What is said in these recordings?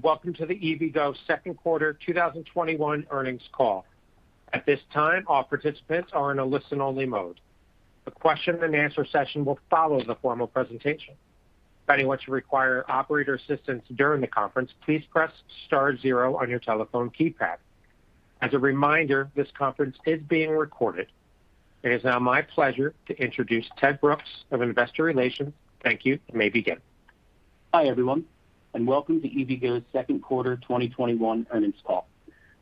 Welcome to the EVgo's second quarter 2021 earnings call. At this time, all participants are in a listen-only mode. The question and answer session will follow the formal presentation. If anyone should require operator assistance during the conference, please press star zero on your telephone keypad. As a reminder, this conference is being recorded. It is now my pleasure to introduce Ted Brooks of Investor Relations. Thank you. You may begin. Hi everyone, welcome to EVgo's second quarter 2021 earnings call.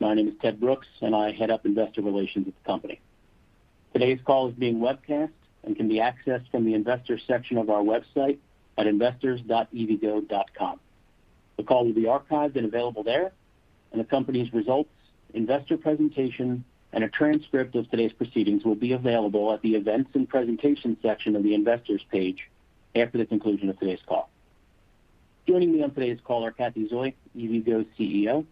My name is Ted Brooks, and I Head up Investor Relations at the Company. Today's call is being webcast and can be accessed from the investor section of our website at investors.evgo.com. The call will be archived and available there, and the company's results, investor presentation, and a transcript of today's proceedings will be available at the events and presentations section of the investors page after the conclusion of today's call. Joining me on today's call are Cathy Zoi, EVgo's Chief Executive Office,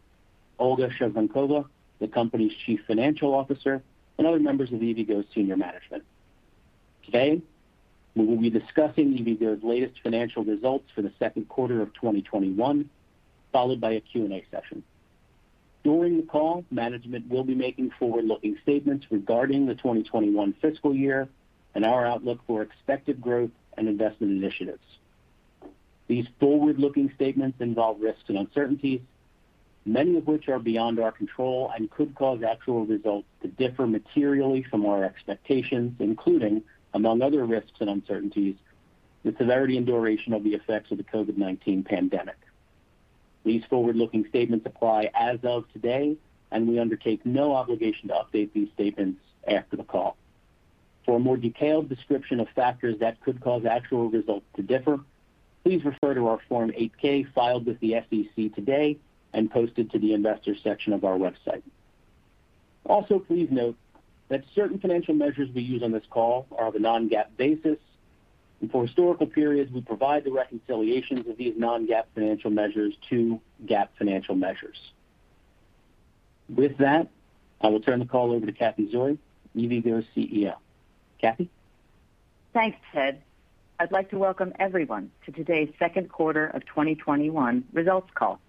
Olga Shevorenkova, the Company's Chief Financial Officer, and other members of EVgo's Senior Management. Today, we will be discussing EVgo's latest financial results for the second quarter of 2021, followed by a Q&A session. During the call, management will be making forward-looking statements regarding the 2021 fiscal year and our outlook for expected growth and investment initiatives. These forward-looking statements involve risks and uncertainties, many of which are beyond our control and could cause actual results to differ materially from our expectations, including, among other risks and uncertainties, the severity and duration of the effects of the COVID-19 pandemic. These forward-looking statements apply as of today, and we undertake no obligation to update these statements after the call. For a more detailed description of factors that could cause actual results to differ, please refer to our Form 8-K filed with the SEC today and posted to the investors section of our website. Also, please note that certain financial measures we use on this call are of a non-GAAP basis, and for historical periods, we provide the reconciliations of these non-GAAP financial measures to GAAP financial measures. With that, I will turn the call over to Cathy Zoi, EVgo's Chief Executive Officer. Cathy? Thanks, Ted. I'd like to welcome everyone to today's second quarter of 2021 results call.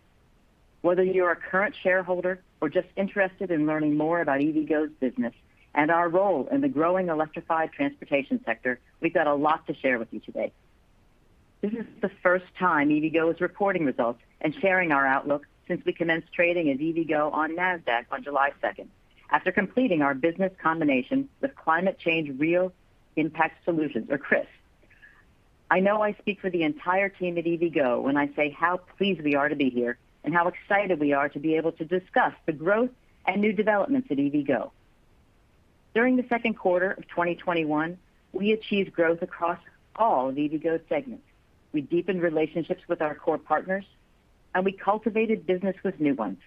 Whether you're a current shareholder or just interested in learning more about EVgo's business and our role in the growing electrified transportation sector, we've got a lot to share with you today. This is the first time EVgo is reporting results and sharing our outlook since we commenced trading as EVgo on Nasdaq on July 2nd, after completing our business combination with Climate Change Crisis Real Impact I Acquisition Corporation, or CRIS. I know I speak for the entire team at EVgo when I say how pleased we are to be here and how excited we are to be able to discuss the growth and new developments at EVgo. During the second quarter of 2021, we achieved growth across all of EVgo's segments. We deepened relationships with our core partners, and we cultivated business with new ones.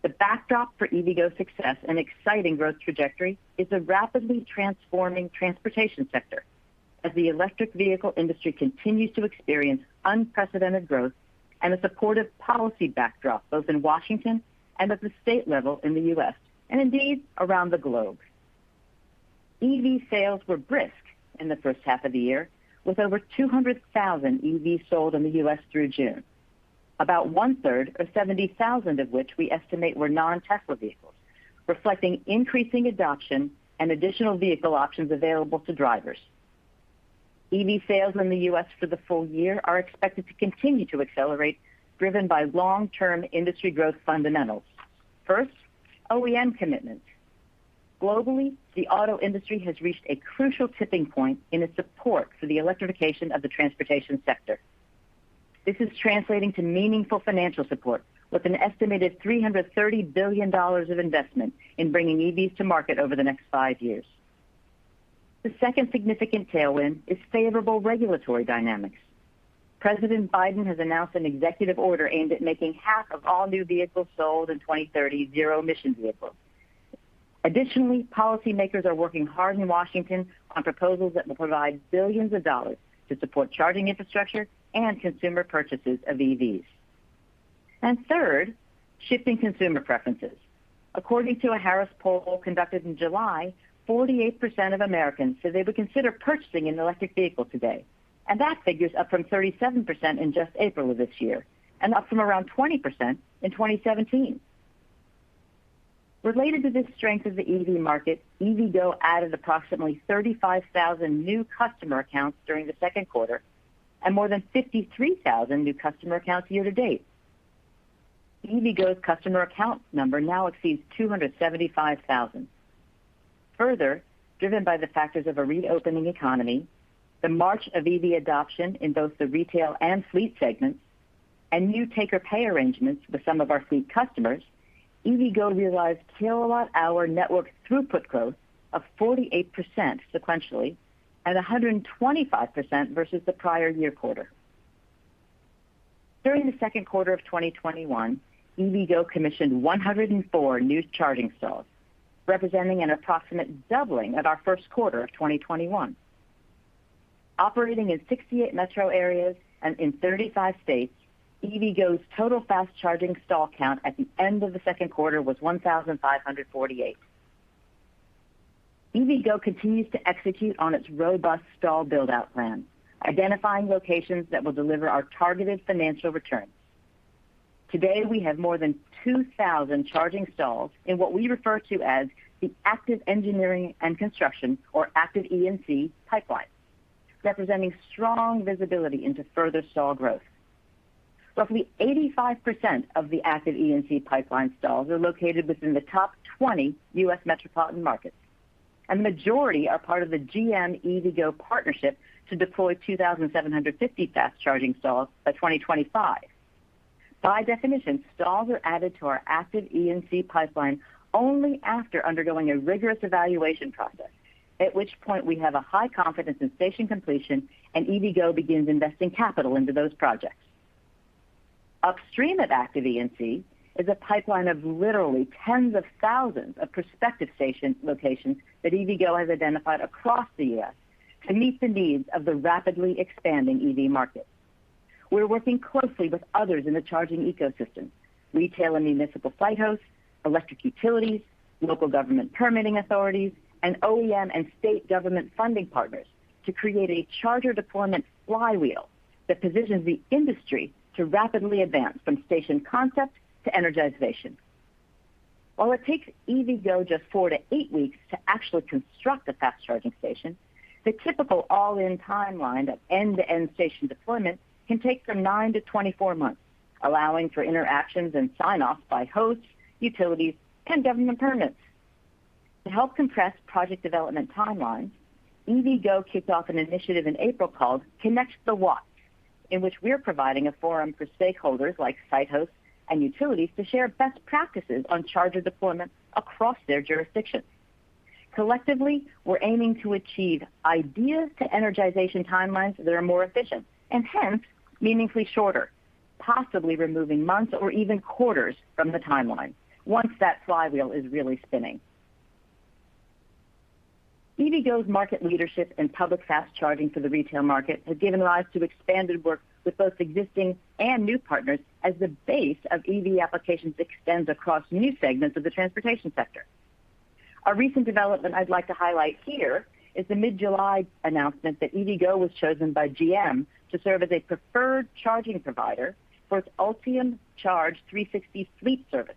The backdrop for EVgo's success and exciting growth trajectory is a rapidly transforming transportation sector as the electric vehicle industry continues to experience unprecedented growth and a supportive policy backdrop, both in Washington and at the state level in the U.S., and indeed, around the globe. EV sales were brisk in the first half of the year, with over 200,000 EVs sold in the U.S. through June. About one-third, or 70,000 of which we estimate were non-Tesla vehicles, reflecting increasing adoption and additional vehicle options available to drivers. EV sales in the U.S. for the full year are expected to continue to accelerate, driven by long-term industry growth fundamentals. First, OEM commitment. Globally, the auto industry has reached a crucial tipping point in its support for the electrification of the transportation sector. This is translating to meaningful financial support, with an estimated $330 billion of investment in bringing EVs to market over the next five years. The second significant tailwind is favorable regulatory dynamics. President Biden has announced an executive order aimed at making half of all new vehicles sold in 2030 zero-emission vehicles. Additionally, policymakers are working hard in Washington on proposals that will provide billions of dollars to support charging infrastructure and consumer purchases of EVs. Third, shifting consumer preferences. According to a Harris Poll conducted in July, 48% of Americans said they would consider purchasing an electric vehicle today, and that figure's up from 37% in just April of this year, and up from around 20% in 2017. Related to this strength of the EV market, EVgo added approximately 35,000 new customer accounts during the second quarter, and more than 53,000 new customer accounts year to date. EVgo's customer account number now exceeds 275,000. Further, driven by the factors of a reopening economy, the march of EV adoption in both the retail and fleet segments, and new take-or-pay arrangements with some of our fleet customers, EVgo realized kilowatt-hour network throughput growth of 48% sequentially and 125% versus the prior year quarter. During the second quarter of 2021, EVgo commissioned 104 new charging stalls, representing an approximate doubling of our first quarter of 2021. Operating in 68 metro areas and in 35 states, EVgo's total fast-charging stall count at the end of the second quarter was 1,548. EVgo continues to execute on its robust stall build-out plan, identifying locations that will deliver our targeted financial returns. Today, we have more than 2,000 charging stalls in what we refer to as the active engineering and construction, or active E&C pipeline, representing strong visibility into further stall growth. Roughly 85% of the active E&C pipeline stalls are located within the top 20 U.S. metropolitan markets, and the majority are part of the GM-EVgo partnership to deploy 2,750 fast-charging stalls by 2025. By definition, stalls are added to our active E&C pipeline only after undergoing a rigorous evaluation process, at which point we have a high confidence in station completion and EVgo begins investing capital into those projects. Upstream of active E&C is a pipeline of literally tens of thousands of prospective station locations that EVgo has identified across the U.S. to meet the needs of the rapidly expanding EV market. We're working closely with others in the charging ecosystem, retail and municipal site hosts, electric utilities, local government permitting authorities, and OEM and state government funding partners to create a charger deployment flywheel that positions the industry to rapidly advance from station concept to energization. While it takes EVgo just four to eight weeks to actually construct a fast charging station, the typical all-in timeline of end-to-end station deployment can take from 9-24 months, allowing for interactions and sign-off by hosts, utilities, and government permits. To help compress project development timelines, EVgo kicked off an initiative in April called Connect the Watts, in which we're providing a forum for stakeholders like site hosts and utilities to share best practices on charger deployment across their jurisdictions. Collectively, we're aiming to achieve ideas to energization timelines that are more efficient and hence meaningfully shorter, possibly removing months or even quarters from the timeline once that flywheel is really spinning. EVgo's market leadership in public fast charging for the retail market has given rise to expanded work with both existing and new partners as the base of EV applications extends across new segments of the transportation sector. A recent development I'd like to highlight here is the mid-July announcement that EVgo was chosen by GM to serve as a preferred charging provider for its Ultium Charge 360 fleet service.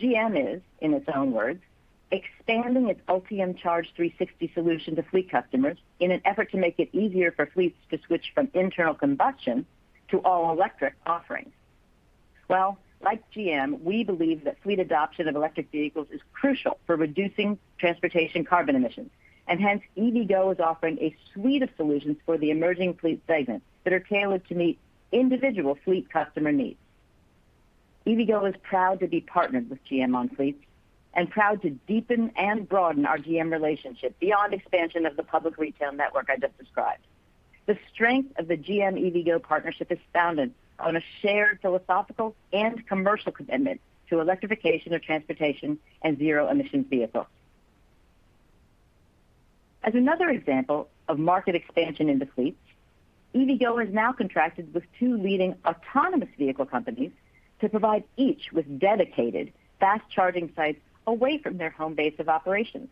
GM is, in its own words, expanding its Ultium Charge 360 solution to fleet customers in an effort to make it easier for fleets to switch from internal combustion to all-electric offerings. Well, like GM, we believe that fleet adoption of electric vehicles is crucial for reducing transportation carbon emissions, and hence EVgo is offering a suite of solutions for the emerging fleet segments that are tailored to meet individual fleet customer needs. EVgo is proud to be partnered with GM on fleets and proud to deepen and broaden our GM relationship beyond expansion of the public retail network I just described. The strength of the GM-EVgo partnership is founded on a shared philosophical and commercial commitment to electrification of transportation and zero emission vehicles. As another example of market expansion into fleets, EVgo has now contracted with two leading autonomous vehicle companies to provide each with dedicated fast charging sites away from their home base of operations.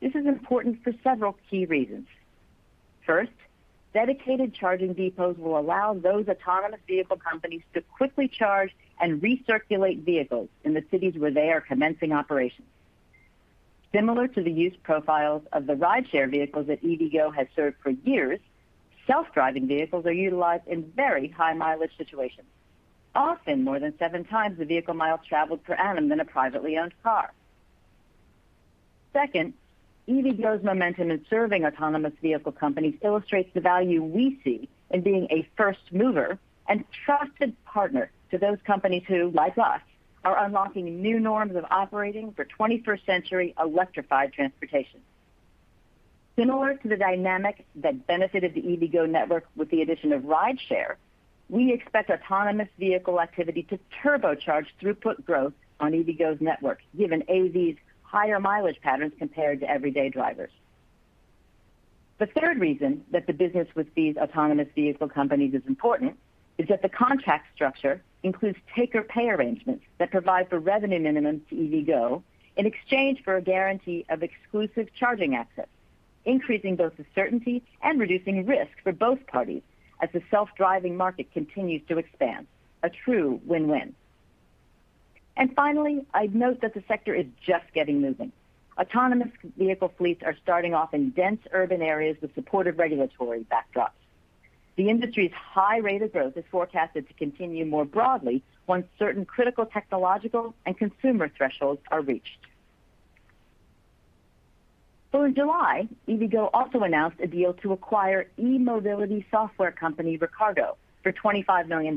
This is important for several key reasons. First, dedicated charging depots will allow those autonomous vehicle companies to quickly charge and recirculate vehicles in the cities where they are commencing operations. Similar to the use profiles of the rideshare vehicles that EVgo has served for years, self-driving vehicles are utilized in very high mileage situations, often more than seven times the vehicle miles traveled per annum than a privately owned car. Second, EVgo's momentum in serving autonomous vehicle companies illustrates the value we see in being a first mover and trusted partner to those companies who, like us, are unlocking new norms of operating for 21st century electrified transportation. Similar to the dynamic that benefited the EVgo network with the addition of rideshare, we expect autonomous vehicle activity to turbocharge throughput growth on EVgo's network, given AV's higher mileage patterns compared to everyday drivers. The third reason that the business with these autonomous vehicle companies is important is that the contract structure includes take-or-pay arrangements that provide for revenue minimums to EVgo in exchange for a guarantee of exclusive charging access, increasing both the certainty and reducing risk for both parties as the self-driving market continues to expand. A true win-win. Finally, I'd note that the sector is just getting moving. Autonomous vehicle fleets are starting off in dense urban areas with supportive regulatory backdrops. The industry's high rate of growth is forecasted to continue more broadly once certain critical technological and consumer thresholds are reached. In July, EVgo also announced a deal to acquire e-mobility software company Recargo for $25 million.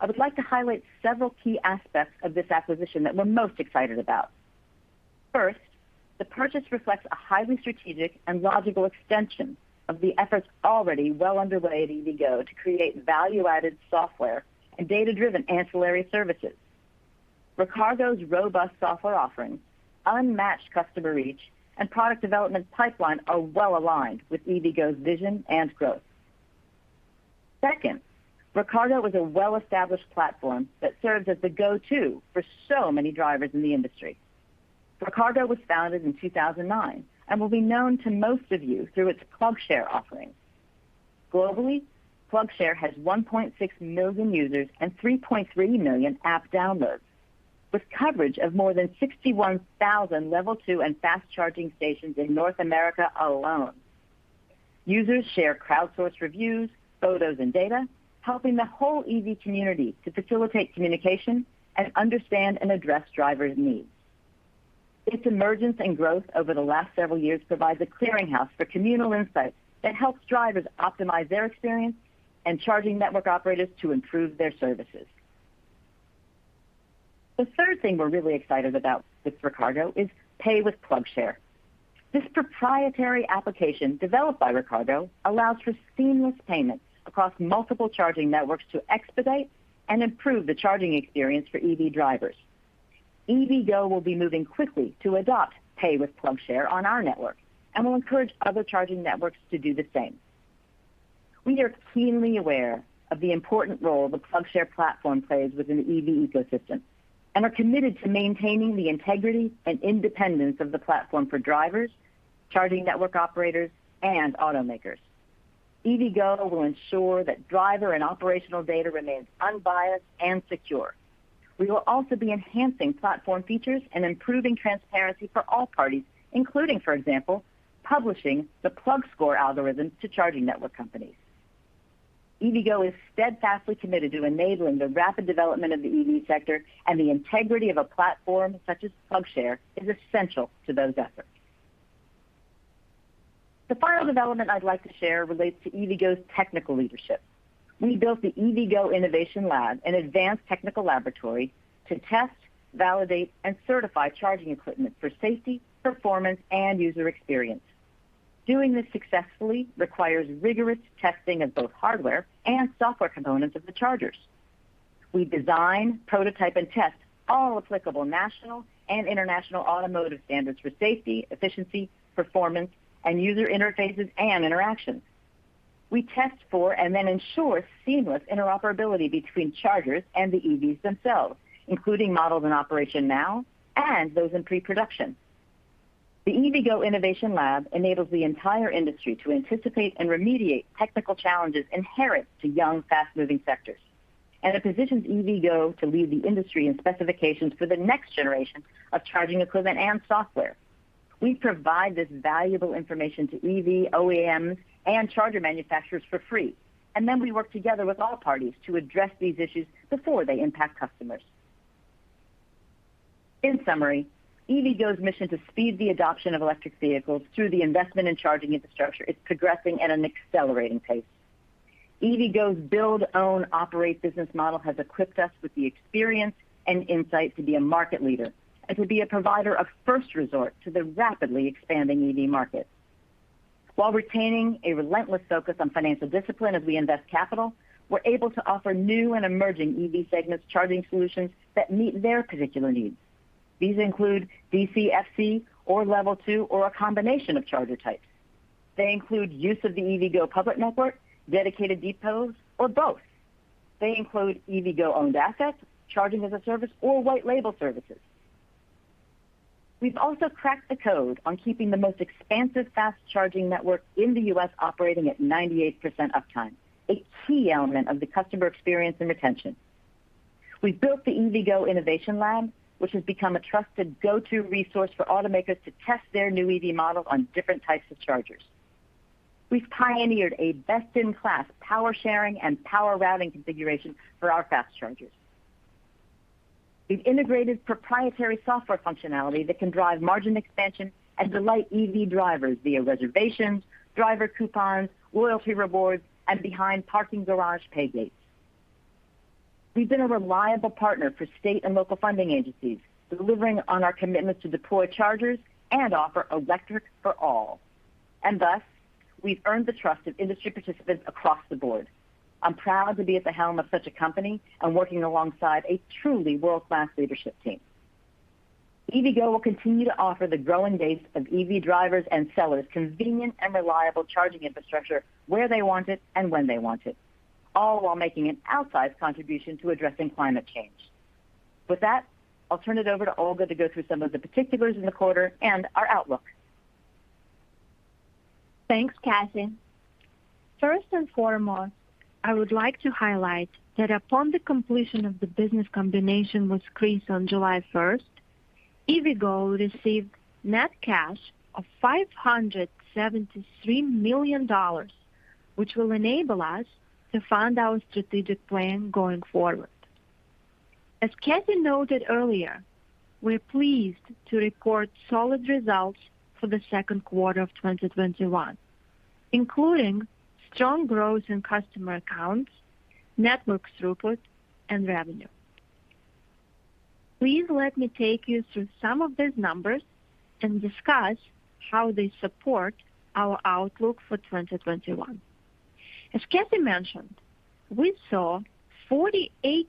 I would like to highlight several key aspects of this acquisition that we're most excited about. First, the purchase reflects a highly strategic and logical extension of the efforts already well underway at EVgo to create value-added software and data-driven ancillary services. Recargo's robust software offerings, unmatched customer reach, and product development pipeline are well aligned with EVgo's vision and growth. Second, Recargo is a well-established platform that serves as the go-to for so many drivers in the industry. Recargo was founded in 2009 and will be known to most of you through its PlugShare offering. Globally, PlugShare has 1.6 million users and 3.3 million app downloads, with coverage of more than 61,000 Level 2 and fast charging stations in North America alone. Users share crowdsourced reviews, photos, and data, helping the whole EV community to facilitate communication and understand and address drivers' needs. Its emergence and growth over the last several years provides a clearinghouse for communal insights that helps drivers optimize their experience and charging network operators to improve their services. The third thing we're really excited about with Recargo is Pay with PlugShare. This proprietary application, developed by Recargo, allows for seamless payments across multiple charging networks to expedite and improve the charging experience for EV drivers. EVgo will be moving quickly to adopt Pay with PlugShare on our network, and will encourage other charging networks to do the same. We are keenly aware of the important role the PlugShare platform plays within the EV ecosystem, and are committed to maintaining the integrity and independence of the platform for drivers, charging network operators, and automakers. EVgo will ensure that driver and operational data remains unbiased and secure. We will also be enhancing platform features and improving transparency for all parties, including, for example, publishing the PlugScore algorithm to charging network companies. EVgo is steadfastly committed to enabling the rapid development of the EV sector, and the integrity of a platform such as PlugShare is essential to those efforts. The final development I'd like to share relates to EVgo's technical leadership. We built the EVgo Innovation Lab, an advanced technical laboratory, to test, validate, and certify charging equipment for safety, performance, and user experience. Doing this successfully requires rigorous testing of both hardware and software components of the chargers. We design, prototype, and test all applicable national and international automotive standards for safety, efficiency, performance, and user interfaces and interactions. We test for and then ensure seamless interoperability between chargers and the EVs themselves, including models in operation now and those in pre-production. The EVgo Innovation Lab enables the entire industry to anticipate and remediate technical challenges inherent to young, fast-moving sectors, and it positions EVgo to lead the industry in specifications for the next generation of charging equipment and software. We provide this valuable information to EV OEMs and charger manufacturers for free, and then we work together with all parties to address these issues before they impact customers. In summary, EVgo's mission to speed the adoption of electric vehicles through the investment in charging infrastructure is progressing at an accelerating pace. EVgo's build, own, operate business model has equipped us with the experience and insight to be a market leader and to be a provider of first resort to the rapidly expanding EV market. While retaining a relentless focus on financial discipline as we invest capital, we're able to offer new and emerging EV segments charging solutions that meet their particular needs. These include DCFC or Level 2 or a combination of charger types. They include use of the EVgo public network, dedicated depots, or both. They include EVgo-owned assets, charging-as-a-service, or white label services. We've also cracked the code on keeping the most expansive fast-charging network in the U.S. operating at 98% uptime, a key element of the customer experience and retention. We've built the EVgo Innovation Lab, which has become a trusted go-to resource for automakers to test their new EV models on different types of chargers. We've pioneered a best-in-class power sharing and power routing configuration for our fast chargers. We've integrated proprietary software functionality that can drive margin expansion and delight EV drivers via reservations, driver coupons, loyalty rewards, and behind parking-garage pay gates. We've been a reliable partner for state and local funding agencies, delivering on our commitments to deploy chargers and offer electric for all. Thus, we've earned the trust of industry participants across the board. I'm proud to be at the helm of such a company and working alongside a truly world-class leadership team. EVgo will continue to offer the growing base of EV drivers and sellers convenient and reliable charging infrastructure where they want it and when they want it, all while making an outsized contribution to addressing climate change. With that, I'll turn it over to Olga to go through some of the particulars in the quarter and our outlook. Thanks, Cathy. First and foremost, I would like to highlight that upon the completion of the business combination with CRIS on July 1st, EVgo received net cash of $573 million, which will enable us to fund our strategic plan going forward. As Cathy noted earlier, we are pleased to report solid results for the second quarter of 2021, including strong growth in customer accounts, network throughput, and revenue. Please let me take you through some of these numbers and discuss how they support our outlook for 2021. As Cathy mentioned, we saw 48%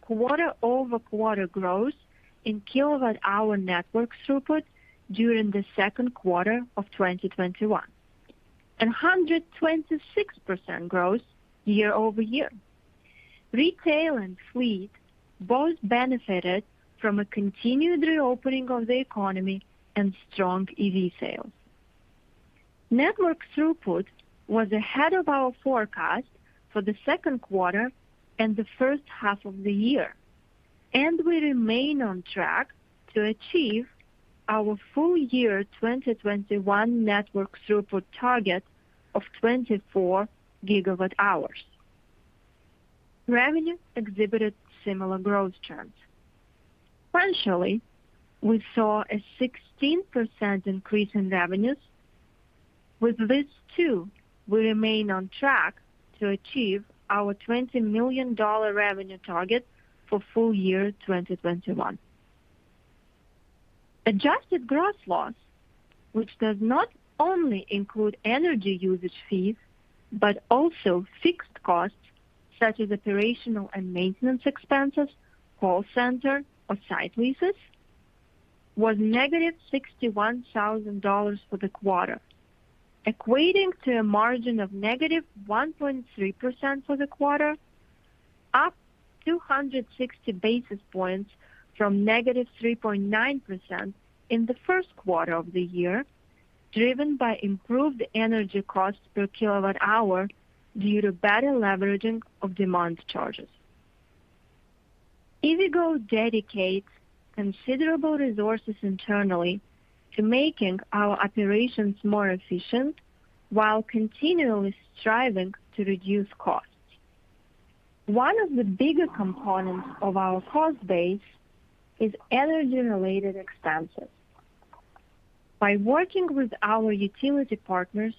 quarter-over-quarter growth in kilowatt-hour network throughput during the second quarter of 2021, and 126% growth year-over-year. Retail and fleet both benefited from a continued reopening of the economy and strong EV sales. Network throughput was ahead of our forecast for the second quarter and the first half of the year, and we remain on track to achieve our full year 2021 network throughput target of 24 gigawatt hours. Revenue exhibited similar growth trends. Financially, we saw a 16% increase in revenues. With this too, we remain on track to achieve our $20 million revenue target for full year 2021. Adjusted gross loss, which does not only include energy usage fees, but also fixed costs such as operational and maintenance expenses, call center, or site leases, was -$61,000 for the quarter, equating to a margin of -1.3% for the quarter, up 260 basis points from -3.9% in the first quarter of the year, driven by improved energy costs per kilowatt-hour due to better leveraging of demand charges. EVgo dedicates considerable resources internally to making our operations more efficient while continually striving to reduce costs. One of the bigger components of our cost base is energy-related expenses. By working with our utility partners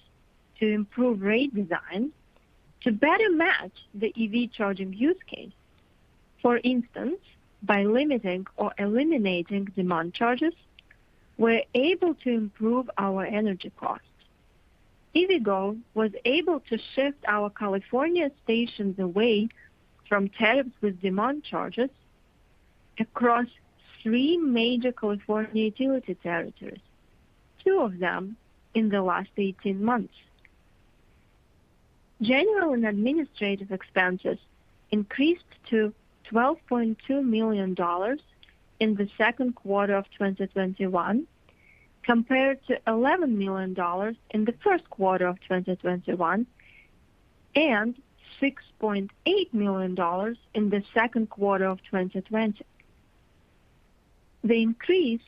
to improve rate design to better match the EV charging use case, for instance, by limiting or eliminating demand charges, we're able to improve our energy costs. EVgo was able to shift our California stations away from tariffs with demand charges across three major California utility territories, two of them in the last 18 months. General and administrative expenses increased to $12.2 million in the second quarter of 2021, compared to $11 million in the first quarter of 2021 and $6.8 million in the second quarter of 2020. The increase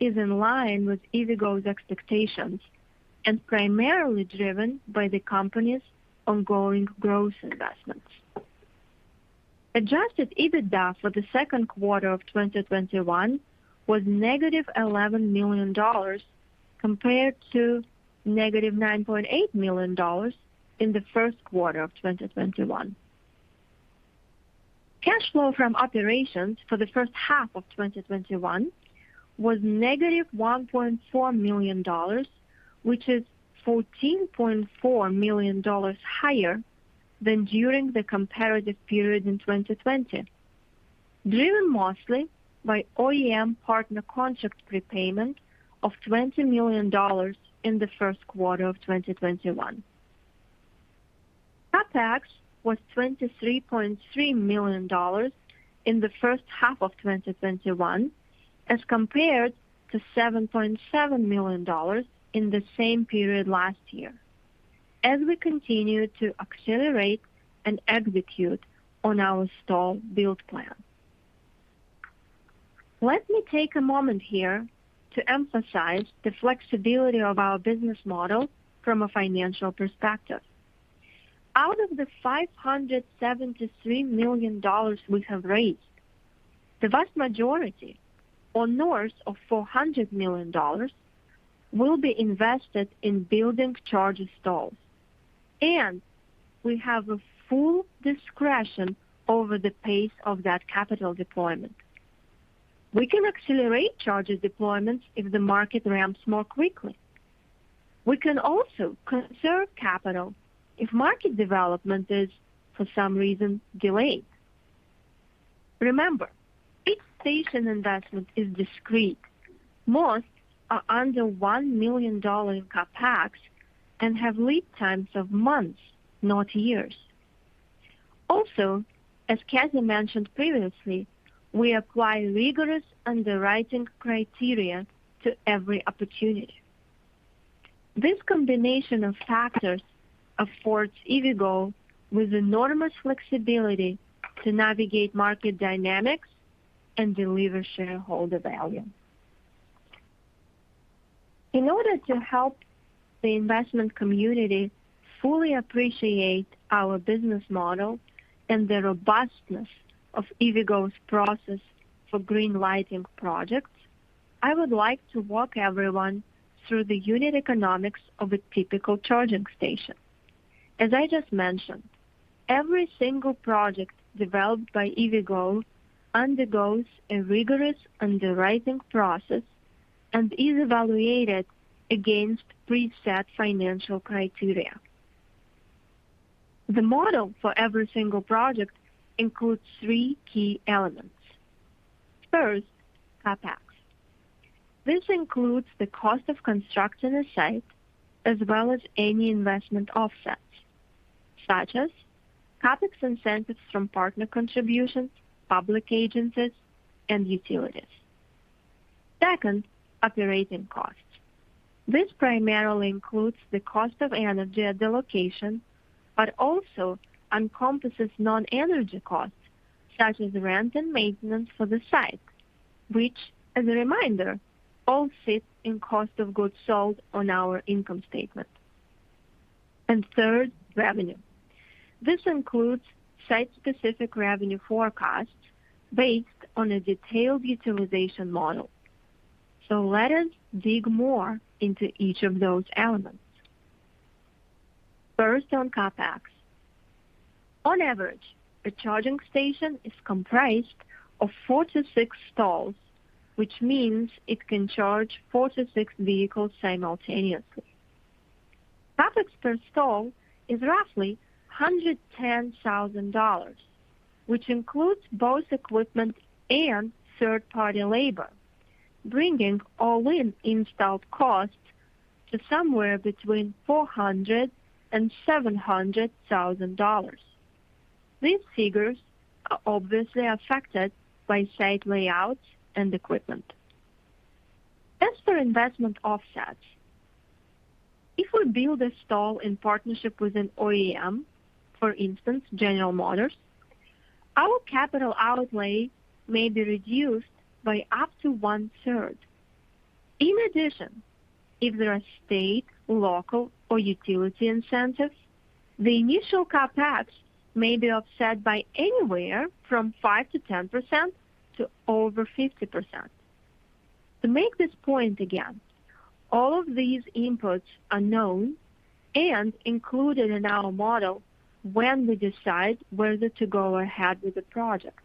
is in line with EVgo's expectations and primarily driven by the company's ongoing growth investments. Adjusted EBITDA for the second quarter of 2021 was -$11 million compared to -$9.8 million in the first quarter of 2021. Cash flow from operations for the first half of 2021 was -$1.4 million, which is $14.4 million higher than during the comparative period in 2020, driven mostly by OEM partner contract prepayment of $20 million in the first quarter of 2021. CapEx was $23.3 million in the first half of 2021 as compared to $7.7 million in the same period last year, as we continue to accelerate and execute on our stall build plan. Let me take a moment here to emphasize the flexibility of our business model from a financial perspective. Out of the $573 million we have raised, the vast majority, or north of $400 million, will be invested in building charger stalls. We have a full discretion over the pace of that capital deployment. We can accelerate charger deployments if the market ramps more quickly. We can also conserve capital if market development is, for some reason, delayed. Remember, each station investment is discrete. Most are under $1 million in CapEx and have lead times of months, not years. As Cathy mentioned previously, we apply rigorous underwriting criteria to every opportunity. This combination of factors affords EVgo with enormous flexibility to navigate market dynamics and deliver shareholder value. In order to help the investment community fully appreciate our business model and the robustness of EVgo's process for green-lighting projects, I would like to walk everyone through the unit economics of a typical charging station. As I just mentioned, every single project developed by EVgo undergoes a rigorous underwriting process and is evaluated against preset financial criteria. The model for every single project includes three key elements. First, CapEx. This includes the cost of constructing a site, as well as any investment offsets, such as CapEx incentives from partner contributions, public agencies, and utilities. Second, operating costs. This primarily includes the cost of energy at the location, but also encompasses non-energy costs such as rent and maintenance for the site, which, as a reminder, all sit in Cost of Goods Sold on our income statement. Third, revenue. This includes site-specific revenue forecasts based on a detailed utilization model. Let us dig more into each of those elements. First on CapEx. On average, a charging station is comprised of four to six stalls, which means it can charge four to six vehicles simultaneously. CapEx per stall is roughly $110,000, which includes both equipment and third-party labor, bringing all-in installed costs to somewhere between $400,000 and $700,000. These figures are obviously affected by site layouts and equipment. As for investment offsets, if we build a stall in partnership with an OEM, for instance, General Motors, our capital outlay may be reduced by up to 1/3. In addition, if there are state, local, or utility incentives, the initial CapEx may be offset by anywhere from 5%-10% to over 50%. To make this point again, all of these inputs are known and included in our model when we decide whether to go ahead with the project.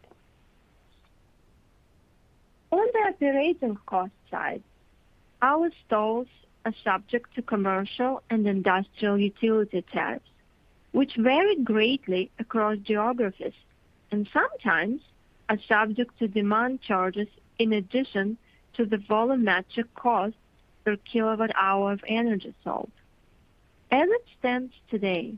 On the operating cost side, our stalls are subject to commercial and industrial utility tariffs, which vary greatly across geographies, and sometimes are subject to demand charges in addition to the volumetric cost per kilowatt-hour of energy sold. As it stands today,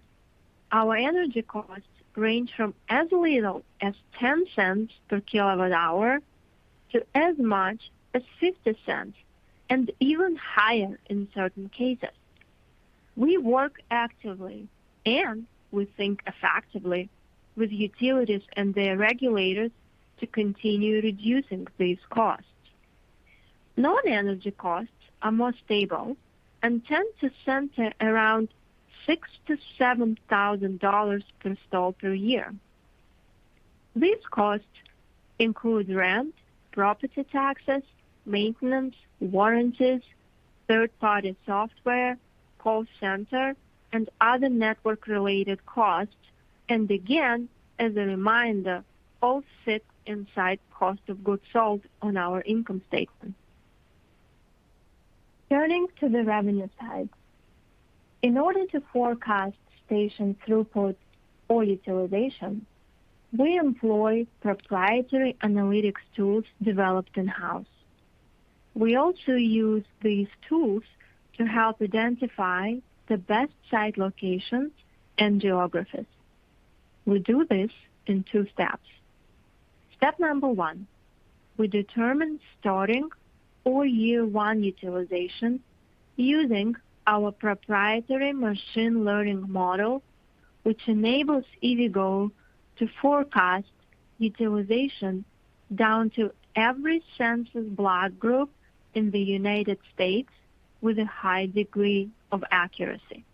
our energy costs range from as little as $0.10 per kWh to as much as $0.50, and even higher in certain cases. We work actively, and we think effectively with utilities and their regulators to continue reducing these costs. Non-energy costs are more stable and tend to center around $6,000-$7,000 per stall per year. These costs include rent, property taxes, maintenance, warranties, third-party software, call center, and other network-related costs, and again, as a reminder, all sit inside cost of goods sold on our income statement. Turning to the revenue side. In order to forecast station throughput or utilization, we employ proprietary analytics tools developed in-house. We also use these tools to help identify the best site locations and geographies. We do this in two steps. Step number 1, we determine starting or year one utilization using our proprietary machine learning model, which enables EVgo to forecast utilization down to every census block group in the U.S. with a high degree of accuracy.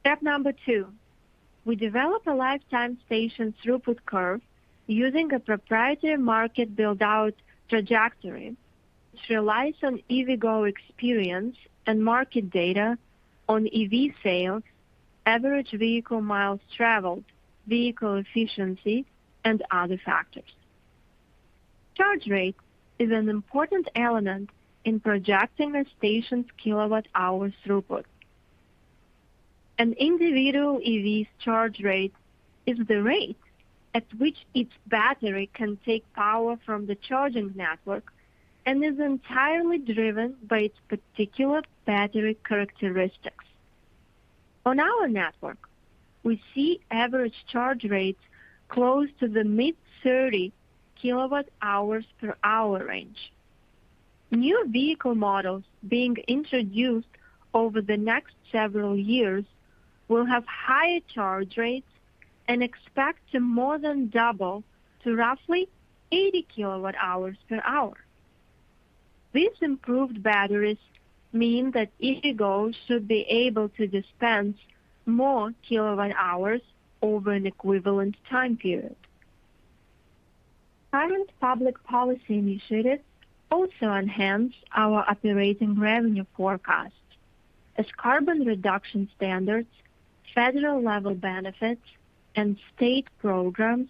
Step number 2, we develop a lifetime station throughput curve using a proprietary market build-out trajectory, which relies on EVgo experience and market data on EV sales, average vehicle miles traveled, vehicle efficiency, and other factors. Charge rate is an important element in projecting a station's kilowatt-hour throughput. An individual EV's charge rate is the rate at which its battery can take power from the charging network and is entirely driven by its particular battery characteristics. On our network, we see average charge rates close to the mid-30 kWh per hour range. New vehicle models being introduced over the next several years will have higher charge rates and expect to more than double to roughly 80 kWh per hour. These improved batteries mean that EVgo should be able to dispense more kilowatt-hours over an equivalent time period. Current public policy initiatives also enhance our operating revenue forecast. Carbon reduction standards, federal level benefits, and state programs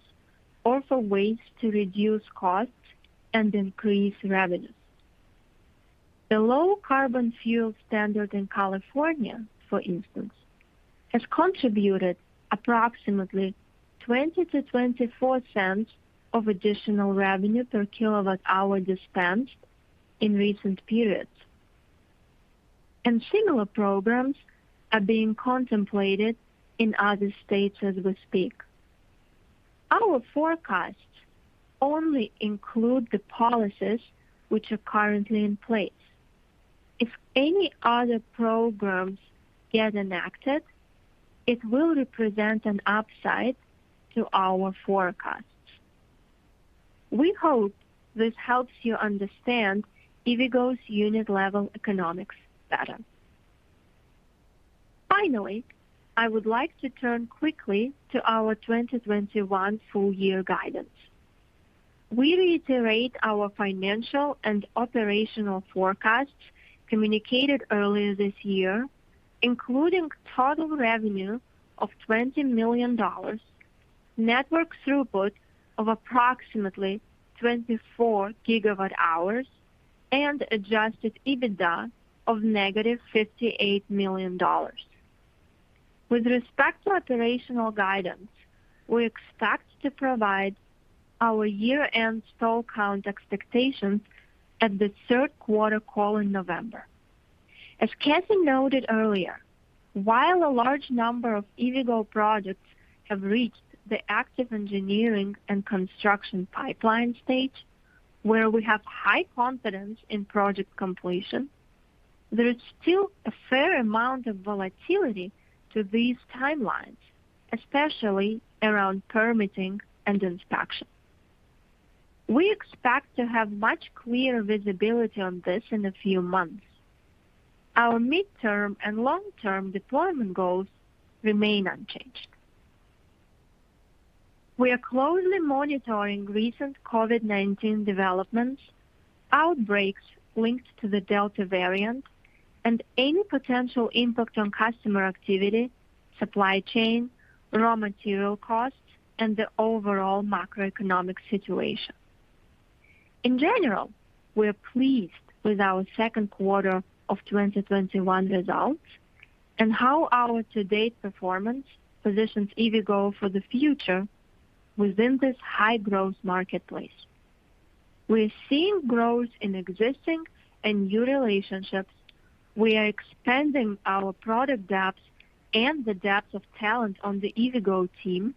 offer ways to reduce costs and increase revenue. The low carbon fuel standard in California, for instance, has contributed approximately $0.20-$0.24 of additional revenue per kilowatt-hour dispensed in recent periods. Similar programs are being contemplated in other states as we speak. Our forecasts only include the policies which are currently in place. If any other programs get enacted, it will represent an upside to our forecasts. We hope this helps you understand EVgo's unit level economics better. Finally, I would like to turn quickly to our 2021 full year guidance. We reiterate our financial and operational forecasts communicated earlier this year, including total revenue of $20 million, network throughput of approximately 24 GWh, and Adjusted EBITDA of -$58 million. With respect to operational guidance, we expect to provide our year-end store count expectations at the third quarter call in November. As Cathy noted earlier, while a large number of EVgo projects have reached the Active Engineering and Construction pipeline stage, where we have high confidence in project completion, there is still a fair amount of volatility to these timelines, especially around permitting and inspection. We expect to have much clearer visibility on this in a few months. Our midterm and long-term deployment goals remain unchanged. We are closely monitoring recent COVID-19 developments, outbreaks linked to the Delta variant, and any potential impact on customer activity, supply chain, raw material costs, and the overall macroeconomic situation. In general, we are pleased with our second quarter of 2021 results and how our to-date performance positions EVgo for the future within this high-growth marketplace. We're seeing growth in existing and new relationships. We are expanding our product depth and the depth of talent on the EVgo team,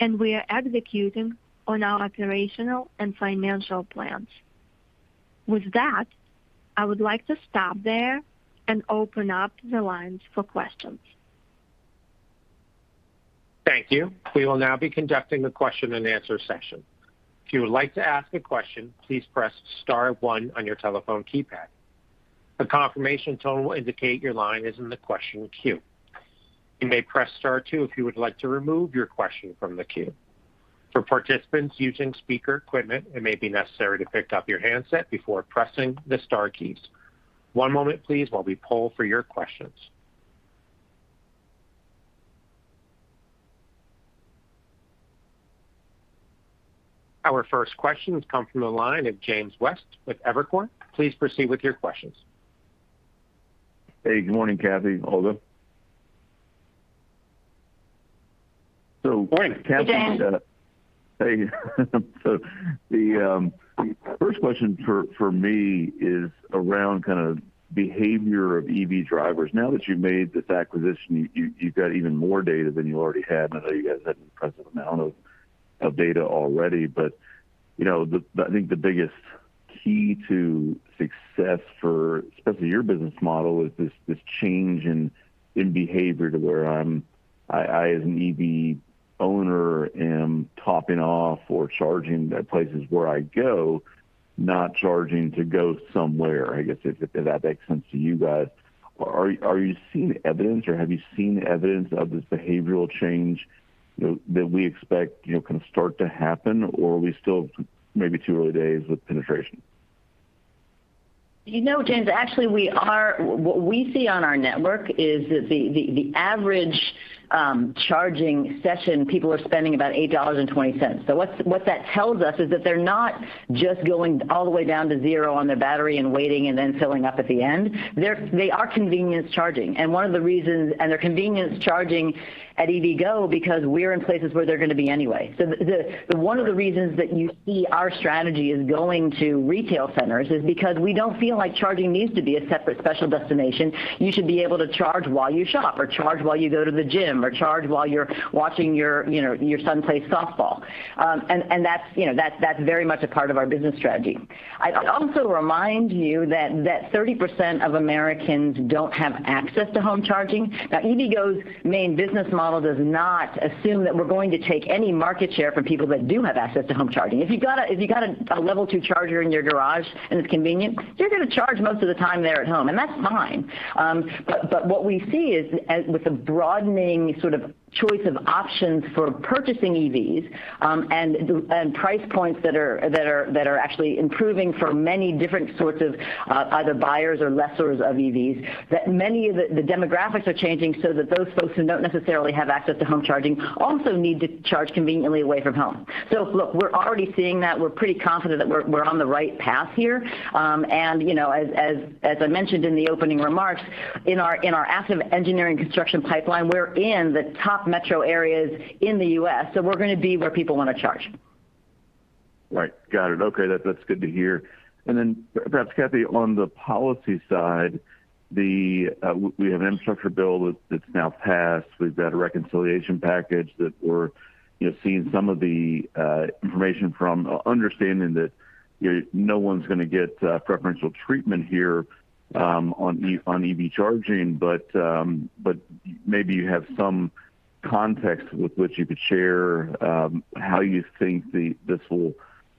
and we are executing on our operational and financial plans. With that, I would like to stop there and open up the lines for questions. Thank you. We will now be conducting the question and answer session. If you would like to ask a question, please press star one on your telephone keypad. A confirmation tone will indicate your line is in the question queue. You may press star two if you would like to remove your question from the queue. For participants using speaker equipment, it may be necessary to pick up your handset before pressing the star keys. One moment please while we poll for your questions. Our first question comes from the line of James West with Evercore. Please proceed with your questions. Hey, good morning, Cathy and Olga. Good morning. Hey, James. Hey. The first question for me is around behavior of EV drivers. Now that you've made this acquisition, you've got even more data than you already had, and I know you guys had an impressive amount of data already. I think the biggest key to success for especially your business model is this change in behavior to where I, as an EV owner, am topping off or charging at places where I go, not charging to go somewhere. I guess, if that makes sense to you guys. Are you seeing evidence, or have you seen evidence of this behavioral change that we expect can start to happen, or are we still maybe too early days with penetration? You know, James, actually, what we see on our network is that the average charging session, people are spending about $8.20. What that tells us is that they're not just going all the way down to zero on their battery and waiting and then filling up at the end. They are convenience charging. They're convenience charging at EVgo because we're in places where they're going to be anyway. One of the reasons that you see our strategy is going to retail centers is because we don't feel like charging needs to be a separate special destination. You should be able to charge while you shop or charge while you go to the gym or charge while you're watching your son play softball. That's very much a part of our business strategy. I'd also remind you that 30% of Americans don't have access to home charging. EVgo's main business model does not assume that we're going to take any market share from people that do have access to home charging. If you've got a Level 2 charger in your garage and it's convenient, you're going to charge most of the time there at home, and that's fine. What we see is with the broadening choice of options for purchasing EVs, and price points that are actually improving for many different sorts of either buyers or lessors of EVs, that many of the demographics are changing so that those folks who don't necessarily have access to home charging also need to charge conveniently away from home. Look, we're already seeing that. We're pretty confident that we're on the right path here. As I mentioned in the opening remarks, in our Active Engineering and Construction pipeline, we're in the top metro areas in the U.S., so we're going to be where people want to charge. Right. Got it. Okay. That's good to hear. Perhaps, Cathy, on the policy side, we have an infrastructure bill that's now passed. We've got a reconciliation package that we're seeing some of the information from, understanding that no one's going to get preferential treatment here on EV charging. Maybe you have some context with which you could share how you think this will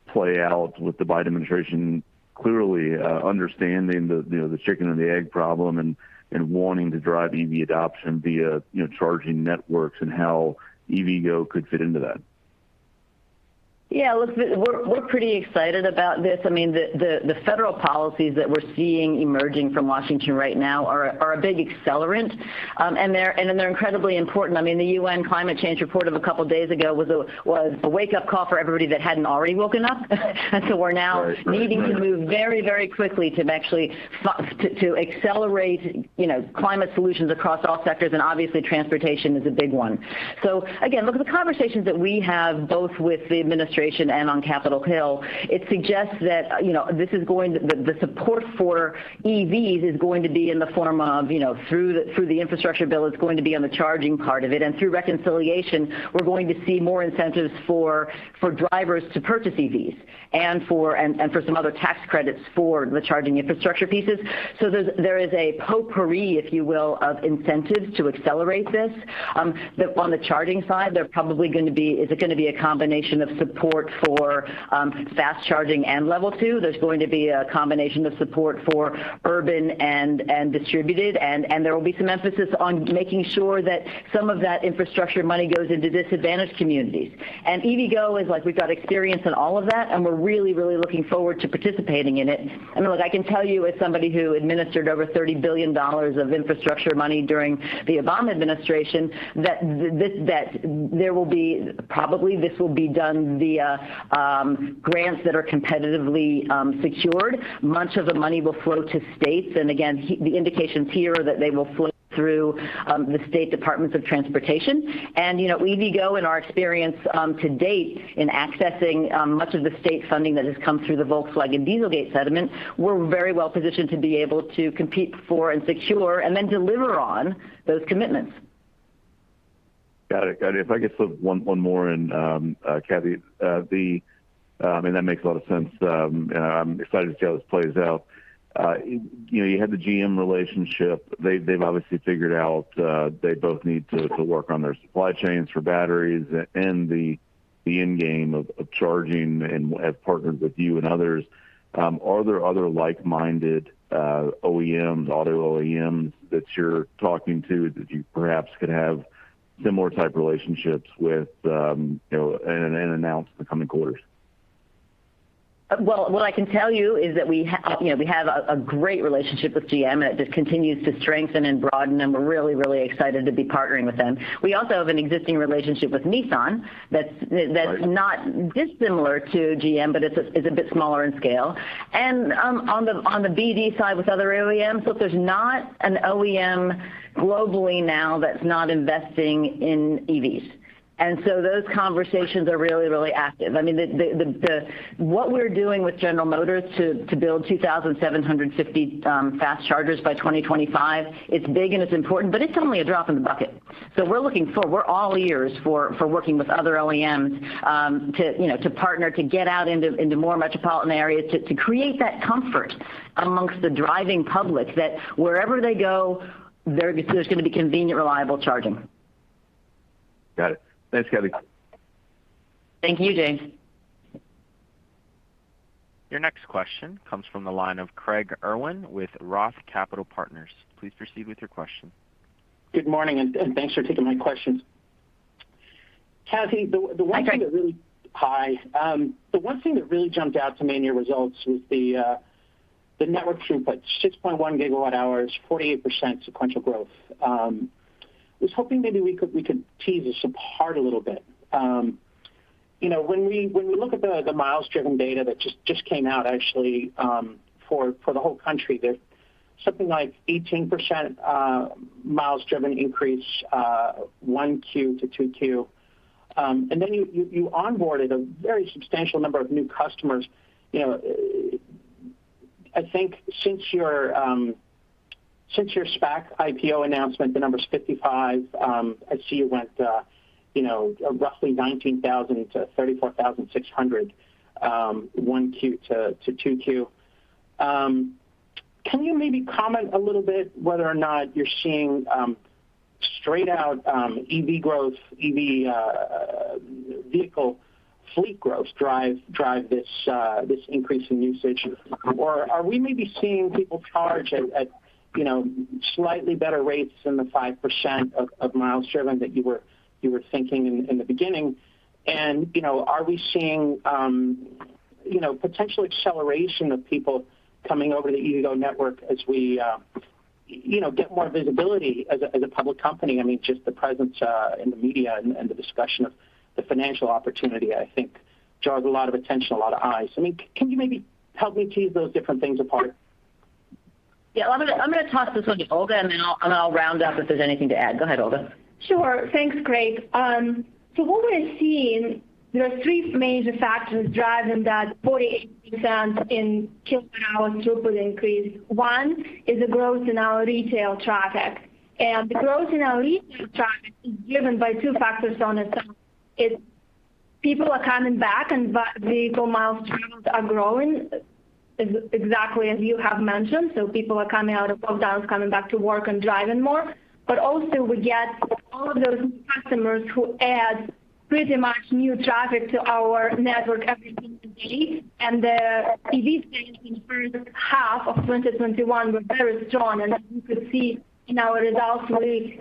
play out with the Biden administration clearly understanding the chicken and the egg problem and wanting to drive EV adoption via charging networks and how EVgo could fit into that. Yeah. Look, we're pretty excited about this. I mean, the federal policies that we're seeing emerging from Washington right now are a big accelerant, and they're incredibly important. I mean, the UN Climate Change Report of a couple of days ago was a wake-up call for everybody that hadn't already woken up. We're now. Right Needing to move very quickly to actually accelerate climate solutions across all sectors, obviously, transportation is a big one. Again, look, the conversations that we have both with the administration and on Capitol Hill, it suggests that the support for EVs is going to be in the form of through the infrastructure bill, it's going to be on the charging part of it, through reconciliation, we're going to see more incentives for drivers to purchase EVs, for some other tax credits for the charging infrastructure pieces. There is a potpourri, if you will, of incentives to accelerate this. On the charging side, it's going to be a combination of support for fast-charging and Level 2. There's going to be a combination of support for urban and distributed. There will be some emphasis on making sure that some of that infrastructure money goes into disadvantaged communities. EVgo is like, we've got experience in all of that, and we're really looking forward to participating in it. I mean, look, I can tell you as somebody who administered over $30 billion of infrastructure money during the Obama administration, that probably this will be done via grants that are competitively secured. Much of the money will flow to states. Again, the indications here are that they will flow through the state departments of transportation. EVgo, in our experience to date in accessing much of the state funding that has come through the Volkswagen Dieselgate Settlement, we're very well-positioned to be able to compete for and secure, and then deliver on those commitments. Got it. If I could slip one more in, Cathy. I mean, that makes a lot of sense, and I'm excited to see how this plays out. You had the GM relationship. They've obviously figured out they both need to work on their supply chains for batteries and the end game of charging and have partnered with you and others. Are there other like-minded OEMs, auto OEMs, that you're talking to that you perhaps could have similar type relationships with and announce in the coming quarters? Well, what I can tell you is that we have a great relationship with GM, and it just continues to strengthen and broaden, and we're really excited to be partnering with them. We also have an existing relationship with Nissan. Right Not dissimilar to GM, but is a bit smaller in scale. On the BD side with other OEMs, look, there's not an OEM globally now that's not investing in EVs. Those conversations are really active. I mean, what we're doing with General Motors to build 2,750 fast chargers by 2025, it's big and it's important, but it's only a drop in the bucket. We're looking for, we're all ears for working with other OEMs to partner to get out into more metropolitan areas, to create that comfort amongst the driving public that wherever they go, there's going to be convenient, reliable charging. Got it. Thanks, Cathy. Thank you, James. Your next question comes from the line of Craig Irwin with Roth Capital Partners. Please proceed with your question. Good morning, and thanks for taking my questions. Cathy, Hi, Craig. Hi. The one thing that really jumped out to me in your results was the network throughput, 6.1 GWh, 48% sequential growth. I was hoping maybe we could tease this apart a little bit. We look at the miles driven data that just came out actually for the whole country, there's something like 18% miles driven increase 1Q to 2Q. You onboarded a very substantial number of new customers. I think since your SPAC IPO announcement, the number's 55. I see it went roughly 19,000-34,600, 1Q to 2Q. Can you maybe comment a little bit whether or not you're seeing straight-out EV growth, EV fleet growth drive this increase in usage? Are we maybe seeing people charge at slightly better rates than the 5% of miles driven that you were thinking in the beginning? Are we seeing potential acceleration of people coming over to the EVgo network as we get more visibility as a public company? I mean, just the presence in the media and the discussion of the financial opportunity, I think, draws a lot of attention, a lot of eyes. I mean, can you maybe help me tease those different things apart? Yeah. I'm going to toss this one to Olga, then I'll round up if there's anything to add. Go ahead, Olga. Sure. Thanks, Craig. What we're seeing, there are three major factors driving that 48% in kilowatt-hours throughput increase. One is the growth in our retail traffic. The growth in our retail traffic is driven by two factors on its own. People are coming back, and vehicle miles traveled are growing exactly as you have mentioned. People are coming out of lockdowns, coming back to work, and driving more. Also we get all of those new customers who add pretty much new traffic to our network every single day. The EV days in first half of 2021 were very strong. As you could see in our results, we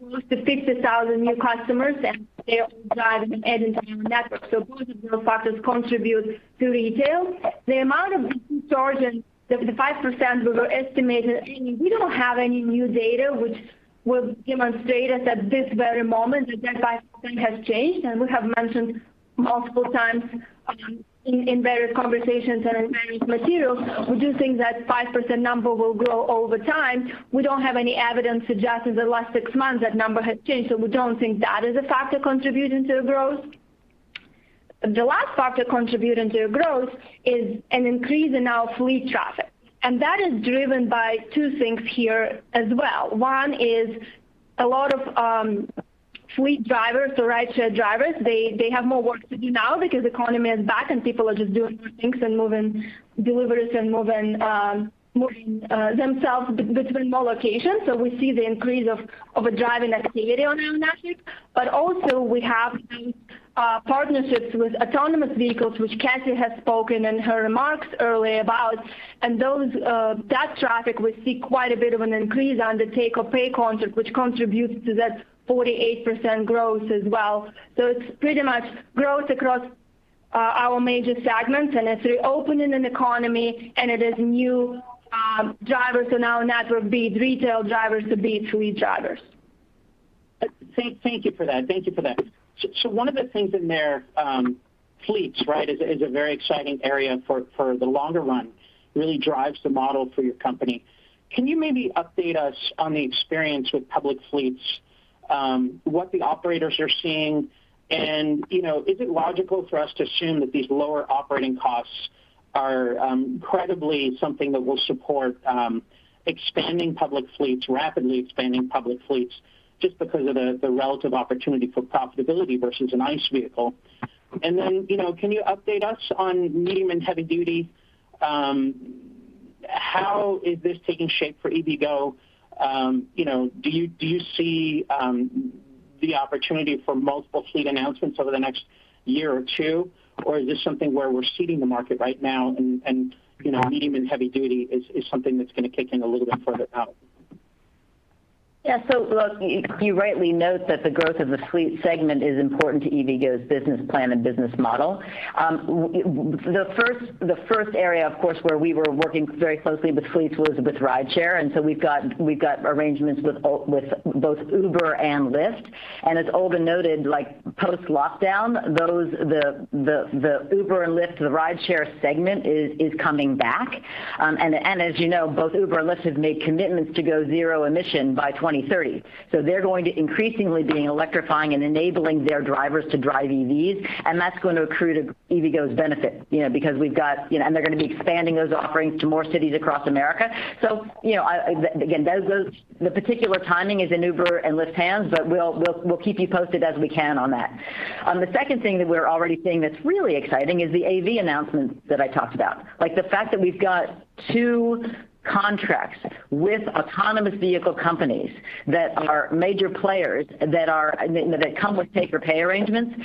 added close to 50,000 new customers, and they're all driving and adding to our network. Both of those factors contribute to retail. The amount of decreasing charge and the 5% we were estimating, we don't have any new data which will demonstrate us at this very moment that that 5% has changed. We have mentioned multiple times in various conversations and in various materials, we do think that 5% number will grow over time. We don't have any evidence suggesting the last six months that number has changed. We don't think that is a factor contributing to the growth. The last factor contributing to the growth is an increase in our fleet traffic. That is driven by two things here as well. One is a lot of fleet drivers or rideshare drivers, they have more work to do now because the economy is back, and people are just doing more things and moving deliveries and moving themselves between more locations. We see the increase of driving activity on our network. Also we have these partnerships with autonomous vehicles, which Cathy has spoken in her remarks earlier about. That traffic, we see quite a bit of an increase on the take-or-pay contract, which contributes to that 48% growth as well. It's pretty much growth across our major segments, and as we open in an economy, and it is new drivers in our network, be it retail drivers to be fleet drivers. Thank you for that. One of the things in their fleets is a very exciting area for the longer run, really drives the model for your company. Can you maybe update us on the experience with public fleets, what the operators are seeing, and is it logical for us to assume that these lower operating costs are credibly something that will support expanding public fleets, rapidly expanding public fleets just because of the relative opportunity for profitability versus an ICE vehicle? Can you update us on medium and heavy duty? How is this taking shape for EVgo? Do you see the opportunity for multiple fleet announcements over the next year or two? Or is this something where we're seeding the market right now, and medium and heavy duty is something that's going to kick in a little bit further out? Look, you rightly note that the growth of the fleet segment is important to EVgo's business plan and business model. The first area, of course, where we were working very closely with fleets was with Rideshare. We've got arrangements with both Uber and Lyft. As Olga noted, post-lockdown, the Uber and Lyft, the Rideshare segment is coming back. As you know, both Uber and Lyft have made commitments to go zero-emission by 2030. They're going to increasingly being electrifying and enabling their drivers to drive EVs, and that's going to accrue to EVgo's benefit. They're going to be expanding those offerings to more cities across America. Again, the particular timing is in Uber and Lyft's hands, but we'll keep you posted as we can on that. The second thing that we're already seeing that's really exciting is the AV announcement that I talked about. The fact that we've got two contracts with autonomous vehicle companies that are major players, that come with take-or-pay arrangements.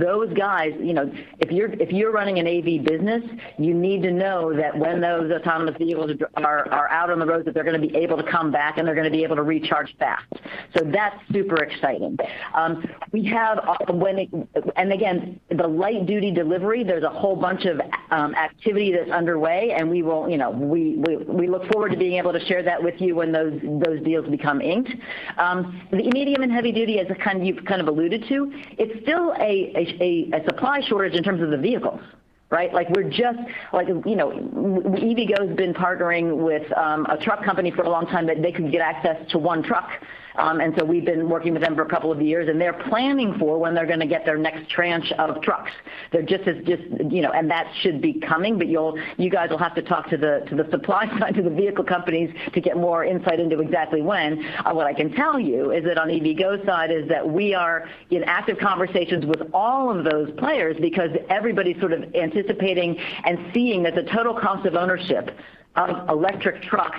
Those guys, if you're running an AV business, you need to know that when those autonomous vehicles are out on the road, that they're going to be able to come back, and they're going to be able to recharge fast. That's super exciting. Again, the light-duty delivery, there's a whole bunch of activity that's underway, and we look forward to being able to share that with you when those deals become inked. The medium and heavy-duty, as you've kind of alluded to, it's still a supply shortage in terms of the vehicles. EVgo's been partnering with a truck company for a long time that they could get access to one truck. We've been working with them for a couple of years, and they're planning for when they're going to get their next tranche of trucks. That should be coming, but you guys will have to talk to the supply side to the vehicle companies to get more insight into exactly when. What I can tell you is that on EVgo's side is that we are in active conversations with all of those players because everybody's sort of anticipating and seeing that the total cost of ownership of electric trucks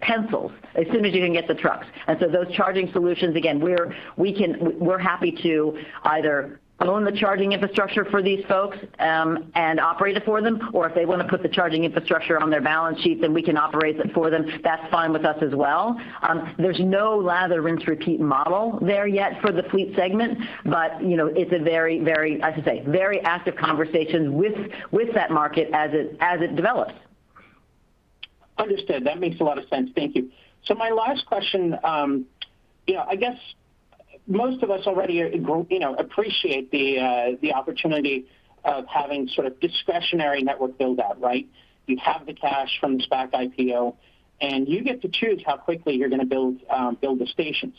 pencils as soon as you can get the trucks. Those charging solutions, again, we're happy to either own the charging infrastructure for these folks, and operate it for them. If they want to put the charging infrastructure on their balance sheet, we can operate it for them. That's fine with us as well. There's no lather, rinse, repeat model there yet for the fleet segment. It's a very, I have to say, very active conversations with that market as it develops. Understood. That makes a lot of sense. Thank you. My last question, I guess. Most of us already appreciate the opportunity of having discretionary network build-out, right? You have the cash from the SPAC IPO, and you get to choose how quickly you're going to build the stations.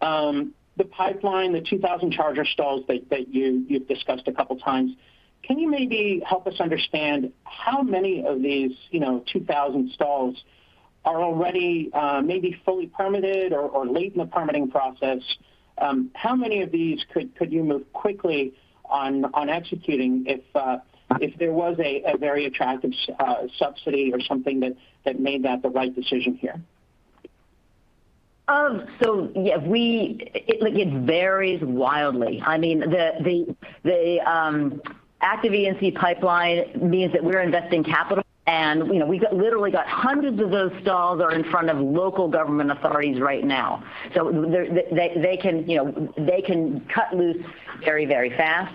The pipeline, the 2,000 charger stalls that you've discussed a couple of times, can you maybe help us understand how many of these 2,000 stalls are already maybe fully permitted or late in the permitting process? How many of these could you move quickly on executing if there was a very attractive subsidy or something that made that the right decision here? Yeah. It varies wildly. I mean, the Active E&C pipeline means that we're investing capital, and we literally got hundreds of those stalls are in front of local government authorities right now. They can cut loose very fast.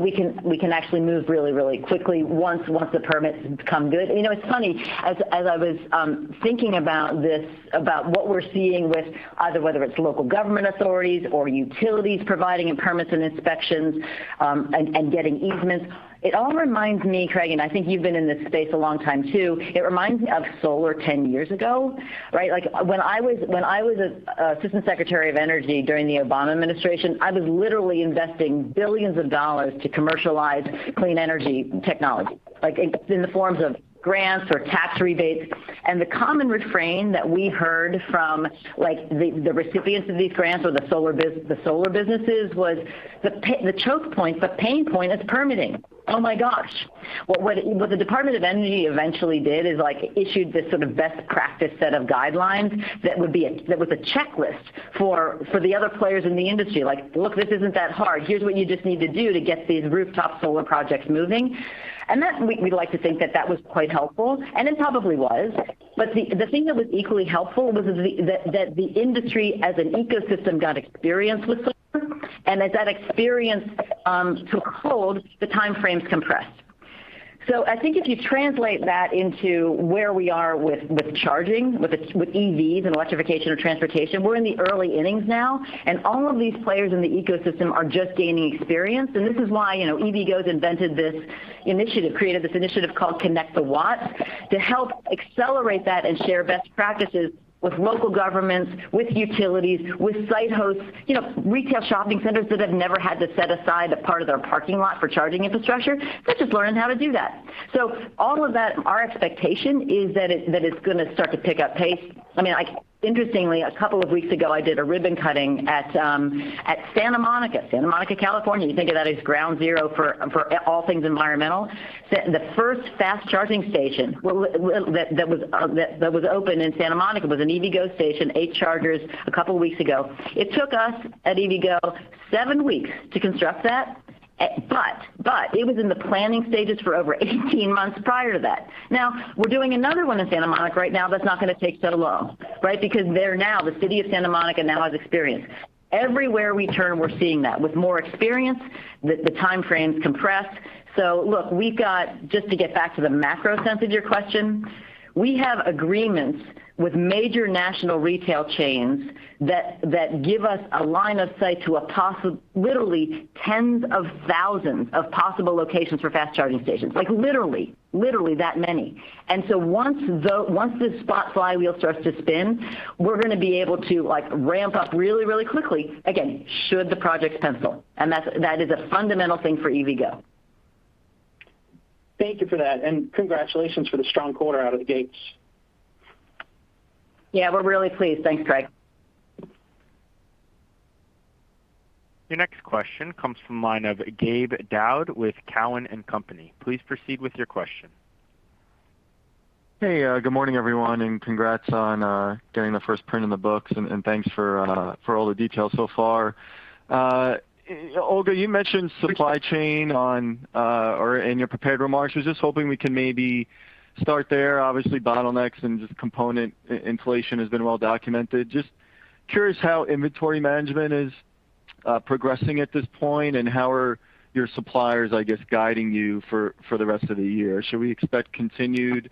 We can actually move really quickly once the permits come due. It's funny, as I was thinking about what we're seeing with either whether it's local government authorities or utilities providing permits and inspections, and getting easements. It all reminds me, Craig, and I think you've been in this space a long time, too. It reminds me of solar 10 years ago, right? When I was Assistant Secretary of Energy during the Obama administration, I was literally investing billions of dollars to commercialize clean energy technology in the forms of grants or tax rebates. The common refrain that we heard from the recipients of these grants or the solar businesses was the choke point, the pain point is permitting. Oh my gosh. What the Department of Energy eventually did is issued this best practice set of guidelines that was a checklist for the other players in the industry. Like, "Look, this isn't that hard. Here's what you just need to do to get these rooftop solar projects moving." That, we'd like to think that that was quite helpful, and it probably was. The thing that was equally helpful was that the industry as an ecosystem got experience with solar. As that experience took hold, the time frames compressed. I think if you translate that into where we are with charging, with EVs and electrification of transportation, we're in the early innings now, and all of these players in the ecosystem are just gaining experience. This is why EVgo's invented this initiative, created this initiative called Connect the Watts to help accelerate that and share best practices with local governments, with utilities, with site hosts. Retail shopping centers that have never had to set aside a part of their parking lot for charging infrastructure. They're just learning how to do that. All of that, our expectation is that it's going to start to pick up pace. Interestingly, a couple of weeks ago, I did a ribbon cutting at Santa Monica. Santa Monica, California. You think of that as ground zero for all things environmental. The first fast charging station that was opened in Santa Monica was an EVgo station, eight chargers a couple of weeks ago. It took us at EVgo seven weeks to construct that. It was in the planning stages for over 18 months prior to that. We're doing another one in Santa Monica right now that's not going to take so long, right? The city of Santa Monica now has experience. Everywhere we turn, we're seeing that. With more experience, the time frames compress. Look, just to get back to the macro sense of your question, we have agreements with major national retail chains that give us a line of sight to literally tens of thousands of possible locations for fast-charging stations. Literally that many. Once this spot flywheel starts to spin, we're going to be able to ramp up really, really quickly, again, should the projects pencil. That is a fundamental thing for EVgo. Thank you for that, and congratulations for the strong quarter out of the gates. Yeah, we're really pleased. Thanks, Craig. Your next question comes from the line of Gabe Daoud with Cowen and Company. Please proceed with your question. Hey, good morning, everyone, and congrats on getting the first print in the books, and thanks for all the details so far. Olga, you mentioned supply chain in your prepared remarks. I was just hoping we can maybe start there. Obviously, bottlenecks and just component inflation has been well-documented. I'm just curious how inventory management is progressing at this point, and how are your suppliers, I guess, guiding you for the rest of the year? Should we expect continued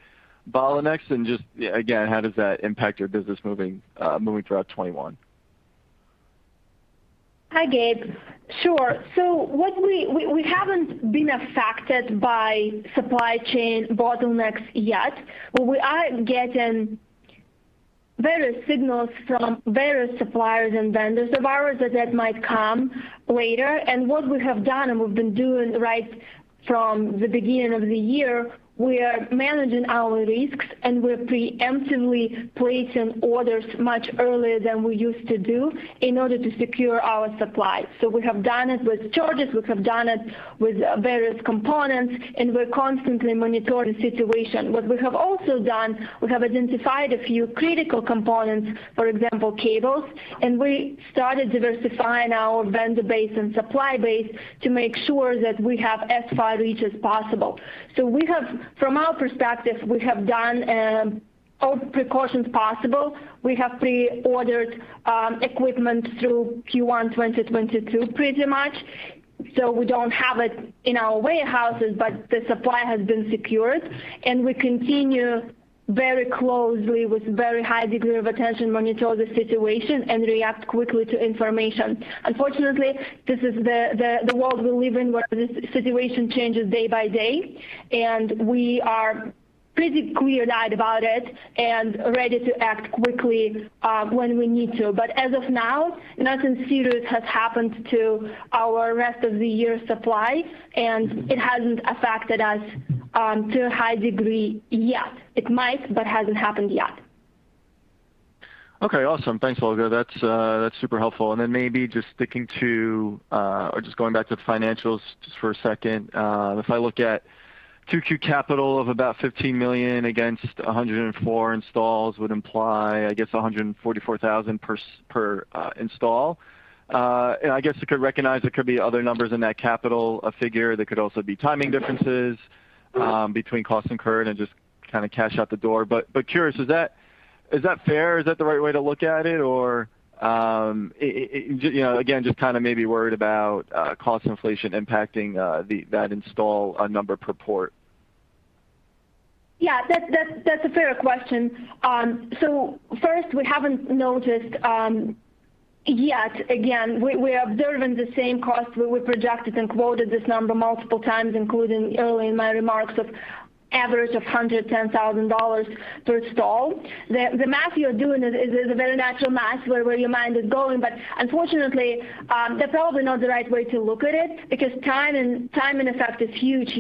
bottlenecks? Just again how does that impact your business moving throughout 2021? Hi, Gabe. Sure. We haven't been affected by supply chain bottlenecks yet. We are getting various signals from various suppliers and vendors of ours that might come later. What we have done, and we've been doing right from the beginning of the year, we are managing our risks, and we're preemptively placing orders much earlier than we used to do in order to secure our supply. We have done it with chargers, we have done it with various components, and we're constantly monitoring the situation. What we have also done, we have identified a few critical components, for example, cables, and we started diversifying our vendor base and supply base to make sure that we have as far reach as possible. From our perspective, we have done all precautions possible. We have pre-ordered equipment through Q1 2022 pretty much. We don't have it in our warehouses, but the supply has been secured, and we continue very closely with a very high degree of attention, monitor the situation, and react quickly to information. Unfortunately, this is the world we live in where the situation changes day by day, and we are pretty clear-eyed about it and ready to act quickly when we need to. As of now, nothing serious has happened to our rest of the year supply, and it hasn't affected us to a high degree yet. It might, but hasn't happened yet. Okay, awesome. Thanks Olga. That's super helpful. Maybe just sticking to the financials just for a second. If I look at 2Q CapEx of about $15 million against 104 installs would imply, I guess $144,000 per install. I guess I could recognize there could be other numbers in that CapEx figure. There could also be timing differences between costs incurred and just cash out the door. Curious, is that fair? Is that the right way to look at it? Again, just maybe worried about cost inflation impacting that install number per port. Yeah. That's a fair question. First, we haven't noticed, yet, again, we are observing the same cost we projected and quoted this number multiple times, including early in my remarks of average of $110,000 per install. The math you're doing is a very natural math where your mind is going, but unfortunately, that's probably not the right way to look at it because time and effect is huge.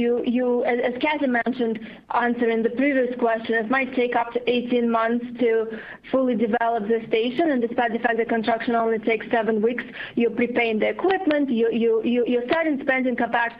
As Cathy mentioned, answering the previous question, it might take up to 18 months to fully develop the station, and despite the fact the construction only takes seven weeks, you're preparing the equipment. You're starting to spend in CapEx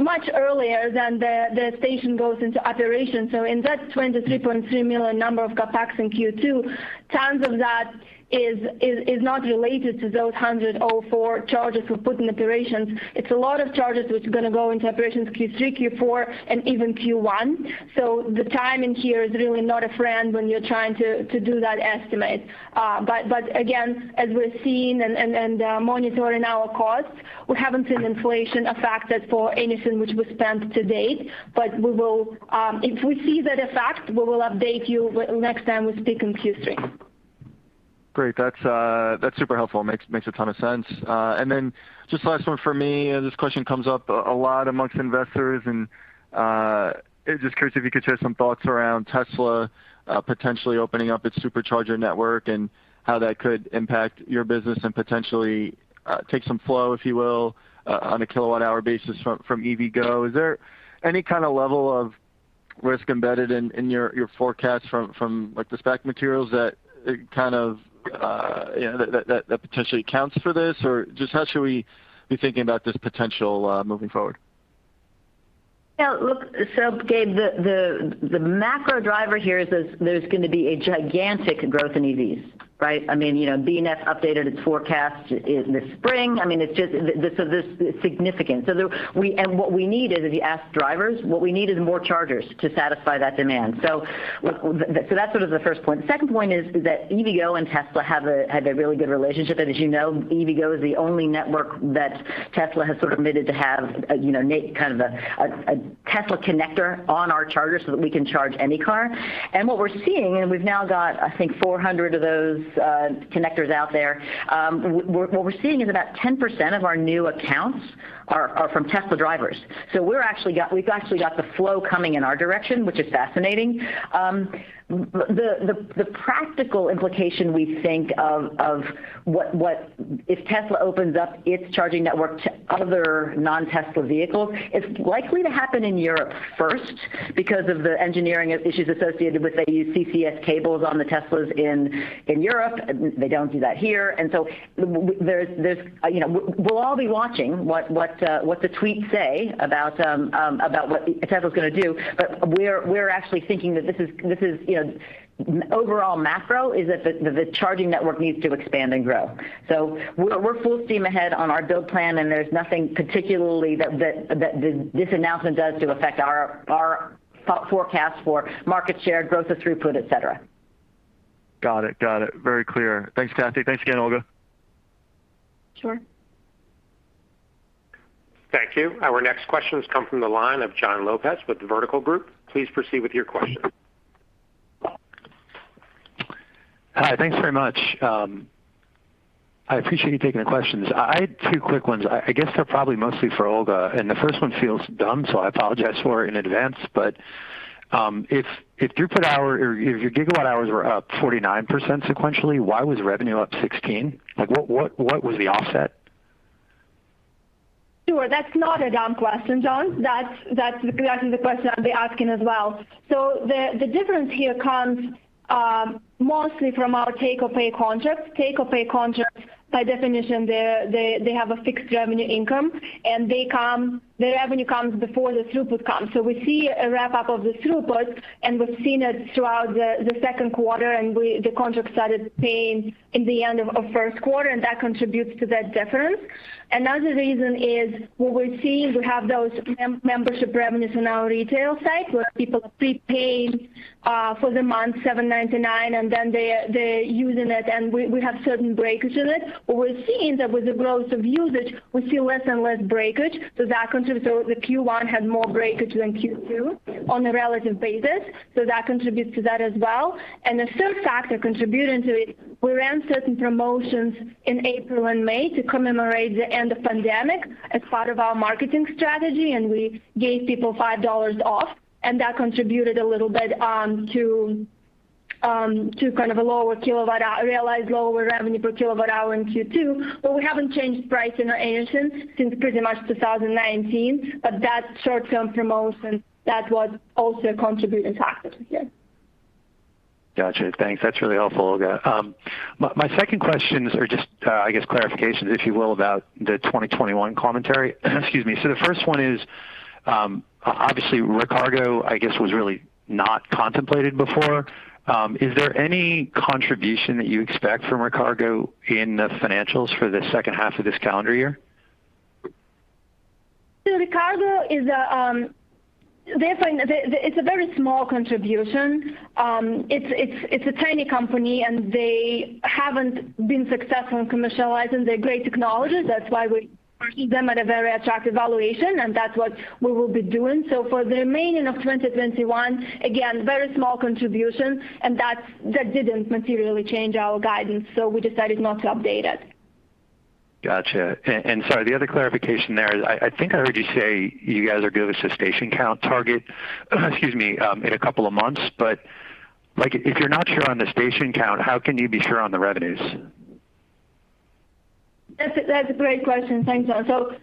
much earlier than the station goes into operation. In that $23.3 million number of CapEx in Q2, tons of that is not related to those 104 chargers we put in operations. It's a lot of chargers which are going to go into operations Q3, Q4, and even Q1. The timing here is really not a friend when you're trying to do that estimate. Again, as we're seeing and monitoring our costs, we haven't seen inflation affected for anything which we spent to date. If we see that effect, we will update you next time we speak in Q3. Great. That's super helpful. Makes a ton of sense. Just last one from me. This question comes up a lot amongst investors, and just curious if you could share some thoughts around Tesla potentially opening up its Supercharger network and how that could impact your business and potentially take some flow, if you will, on a kilowatt-hour basis from EVgo. Is there any kind of level of risk embedded in your forecast from the SPAC materials that potentially accounts for this? Or just how should we be thinking about this potential moving forward? Look, Gabe, the macro driver here is there's going to be a gigantic growth in EVs, right? I mean, BNEF updated its forecast this spring. I mean, it's just significant. What we need is, if you ask drivers, what we need is more chargers to satisfy that demand. That's sort of the first point. The second point is that EVgo and Tesla have a really good relationship, and as you know, EVgo is the only network that Tesla has admitted to have a Tesla connector on our chargers so that we can charge any car. We've now got, I think, 400 of those connectors out there. What we're seeing is about 10% of our new accounts are from Tesla drivers. We've actually got the flow coming in our direction, which is fascinating. The practical implication we think of if Tesla opens up its charging network to other non-Tesla vehicles, it's likely to happen in Europe first because of the engineering issues associated with they use CCS cables on the Teslas in Europe. They don't do that here. We'll all be watching what the tweets say about what Tesla's going to do. We're actually thinking that this overall macro is that the charging network needs to expand and grow. We're full steam ahead on our build plan, and there's nothing particularly that this announcement does to affect our forecast for market share, growth of throughput, etc. Got it. Very clear. Thanks, Cathy. Thanks again, Olga. Sure. Thank you. Our next questions come from the line of Jon Lopez with The Vertical Group. Please proceed with your question. Hi. Thanks very much. I appreciate you taking the questions. I had two quick ones. I guess they're probably mostly for Olga, and the first one feels dumb, so I apologize for it in advance. If your gigawatt hours were up 49% sequentially, why was revenue up 16%? What was the offset? Sure. That's not a dumb question, Jon. That's exactly the question I'd be asking as well. The difference here comes mostly from our take-or-pay contracts. Take-or-pay contracts, by definition, they have a fixed revenue income, and the revenue comes before the throughput comes. We see a wrap-up of the throughput, and we've seen it throughout the second quarter, and the contract started paying in the end of first quarter, and that contributes to that difference. Another reason is what we're seeing, we have those membership revenues in our retail site where people prepaid for the month, $7.99, and then they're using it, and we have certain breakage in it. What we're seeing that with the growth of usage, we see less and less breakage. The Q1 had more breakage than Q2 on a relative basis, so that contributes to that as well. The third factor contributing to it, we ran certain promotions in April and May to commemorate the end of pandemic as part of our marketing strategy, we gave people $5 off, that contributed a little bit to kind of a lower realized revenue per kilowatt-hour in Q2. We haven't changed price in our since pretty much 2019. That short-term promotion, that was also a contributing factor here. Got you. Thanks. That's really helpful, Olga. My second questions are just, I guess, clarifications, if you will, about the 2021 commentary. Excuse me. The first one is, obviously Recargo, I guess, was really not contemplated before. Is there any contribution that you expect from Recargo in the financials for the second half of this calendar year? Recargo, it's a very small contribution. It's a tiny company, and they haven't been successful in commercializing their great technology. That's why we purchased them at a very attractive valuation, and that's what we will be doing. For the remaining of 2021, again, very small contribution, and that didn't materially change our guidance, so we decided not to update it. Got you. Sorry, the other clarification there is I think I heard you say you guys are good with the station count target in a couple of months, but if you're not sure on the station count, how can you be sure on the revenues? That's a great question. Thanks, Jon.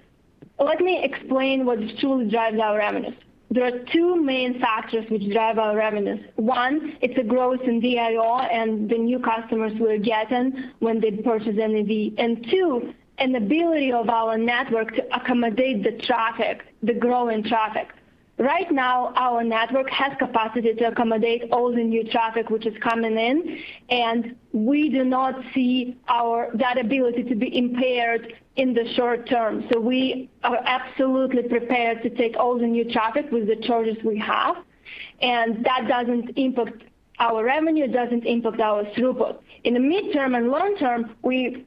Let me explain what truly drives our revenues. There are two main factors which drive our revenues. One, it's the growth in retail and the new customers we're getting when they purchase an EV. Two, an ability of our network to accommodate the traffic, the growing traffic. Right now, our network has capacity to accommodate all the new traffic which is coming in, and we do not see that ability to be impaired in the short term. We are absolutely prepared to take all the new traffic with the charges we have, and that doesn't impact our revenue. It doesn't impact our throughput. In the midterm and long term, we are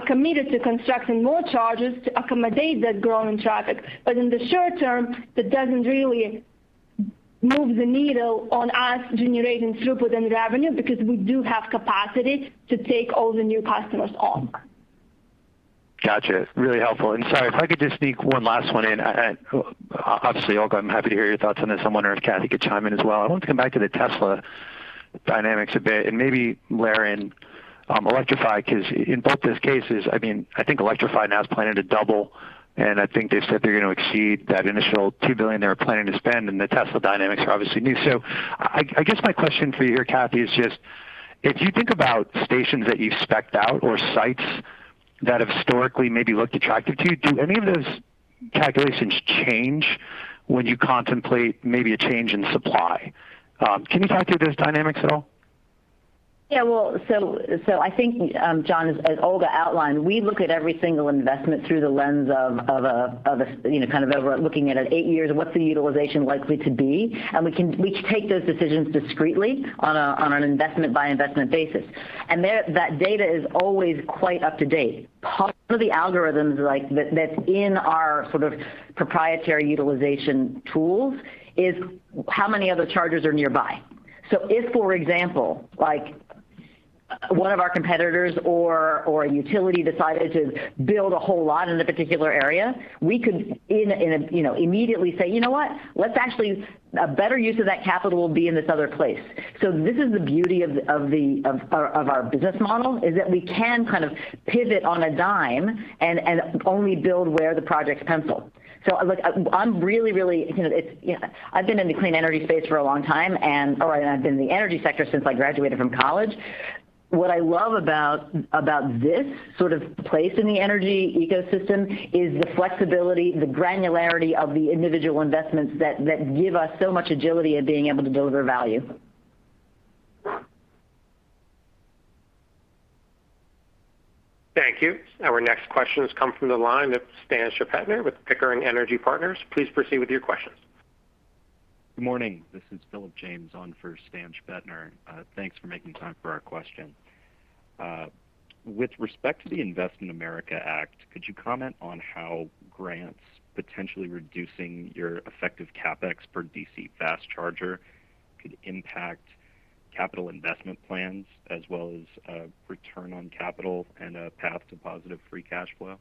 committed to constructing more charges to accommodate that growing traffic. In the short term, that doesn't really move the needle on us generating throughput and revenue because we do have capacity to take all the new customers on. Got you. Really helpful. Sorry, if I could just sneak one last one in. Obviously, Olga, I'm happy to hear your thoughts on this. I'm wondering if Cathy could chime in as well. I wanted to come back to the Tesla dynamics a bit and maybe layer in Electrify, because in both those cases, I think Electrify is planning to double, and I think they've said they're going to exceed that initial $2 billion they were planning to spend, and the Tesla dynamics are obviously new. I guess my question for you here, Cathy, is just if you think about stations that you've spec'd out or sites that have historically maybe looked attractive to you, do any of those calculations change when you contemplate maybe a change in supply? Can you talk through those dynamics at all? Yeah. I think, Jon, as Olga outlined, we look at every single investment through the lens of looking at it eight years, what's the utilization likely to be? We take those decisions discreetly on an investment-by-investment basis. That data is always quite up to date. Part of the algorithms that's in our proprietary utilization tools is how many other chargers are nearby. If, for example, one of our competitors or a utility decided to build a whole lot in a particular area, we could immediately say, "You know what? A better use of that capital will be in this other place." This is the beauty of our business model is that we can pivot on a dime and only build where the projects pencil. I've been in the clean energy space for a long time, and I've been in the energy sector since I graduated from college. What I love about this place in the energy ecosystem is the flexibility, the granularity of the individual investments that give us so much agility in being able to deliver value. Thank you. Our next question has come from the line of Stan Shpetner with Pickering Energy Partners. Please proceed with your questions. Good morning. This is Philip James on for Stan Shpetner. Thanks for making time for our question. With respect to the INVEST in America Act, could you comment on how grants potentially reducing your effective CapEx per DC fast charger could impact capital investment plans as well as return on capital and a path to positive free cash flow?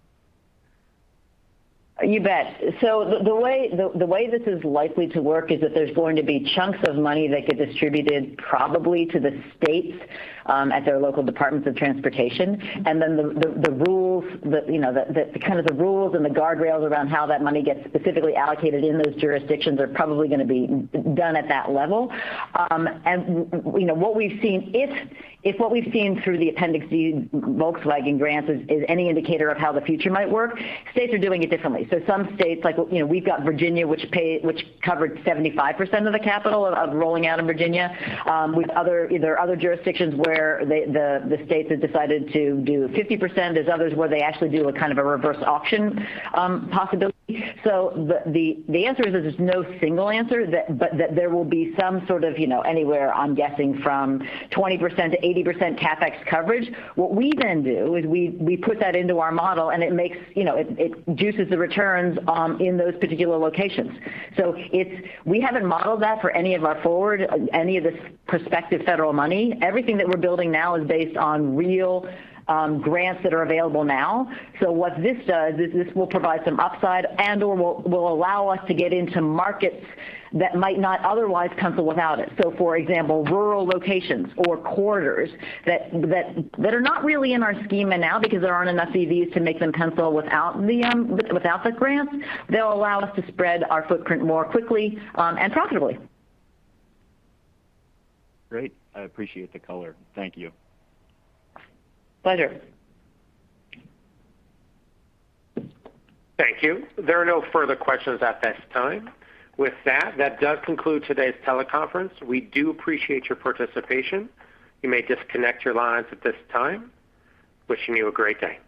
You bet. The way this is likely to work is that there's going to be chunks of money that get distributed probably to the states at their local departments of transportation. The rules and the guardrails around how that money gets specifically allocated in those jurisdictions are probably going to be done at that level. If what we've seen through the Appendix D Volkswagen grants is any indicator of how the future might work, states are doing it differently. Some states, we've got Virginia, which covered 75% of the capital of rolling out in Virginia. There are other jurisdictions where the states have decided to do 50%. There's others where they actually do a reverse auction possibility. The answer is there's no single answer, but that there will be some sort of anywhere, I'm guessing, from 20%-80% CapEx coverage. What we then do is we put that into our model, and it juices the returns in those particular locations. We haven't modeled that for any of this prospective federal money. Everything that we're building now is based on real grants that are available now. What this does is this will provide some upside and/or will allow us to get into markets that might not otherwise pencil without it. For example, rural locations or corridors that are not really in our schema now because there aren't enough EVs to make them pencil without the grants. They'll allow us to spread our footprint more quickly and profitably. Great. I appreciate the color. Thank you. Pleasure. Thank you. There are no further questions at this time. With that does conclude today's teleconference. We do appreciate your participation. You may disconnect your lines at this time. Wishing you a great day.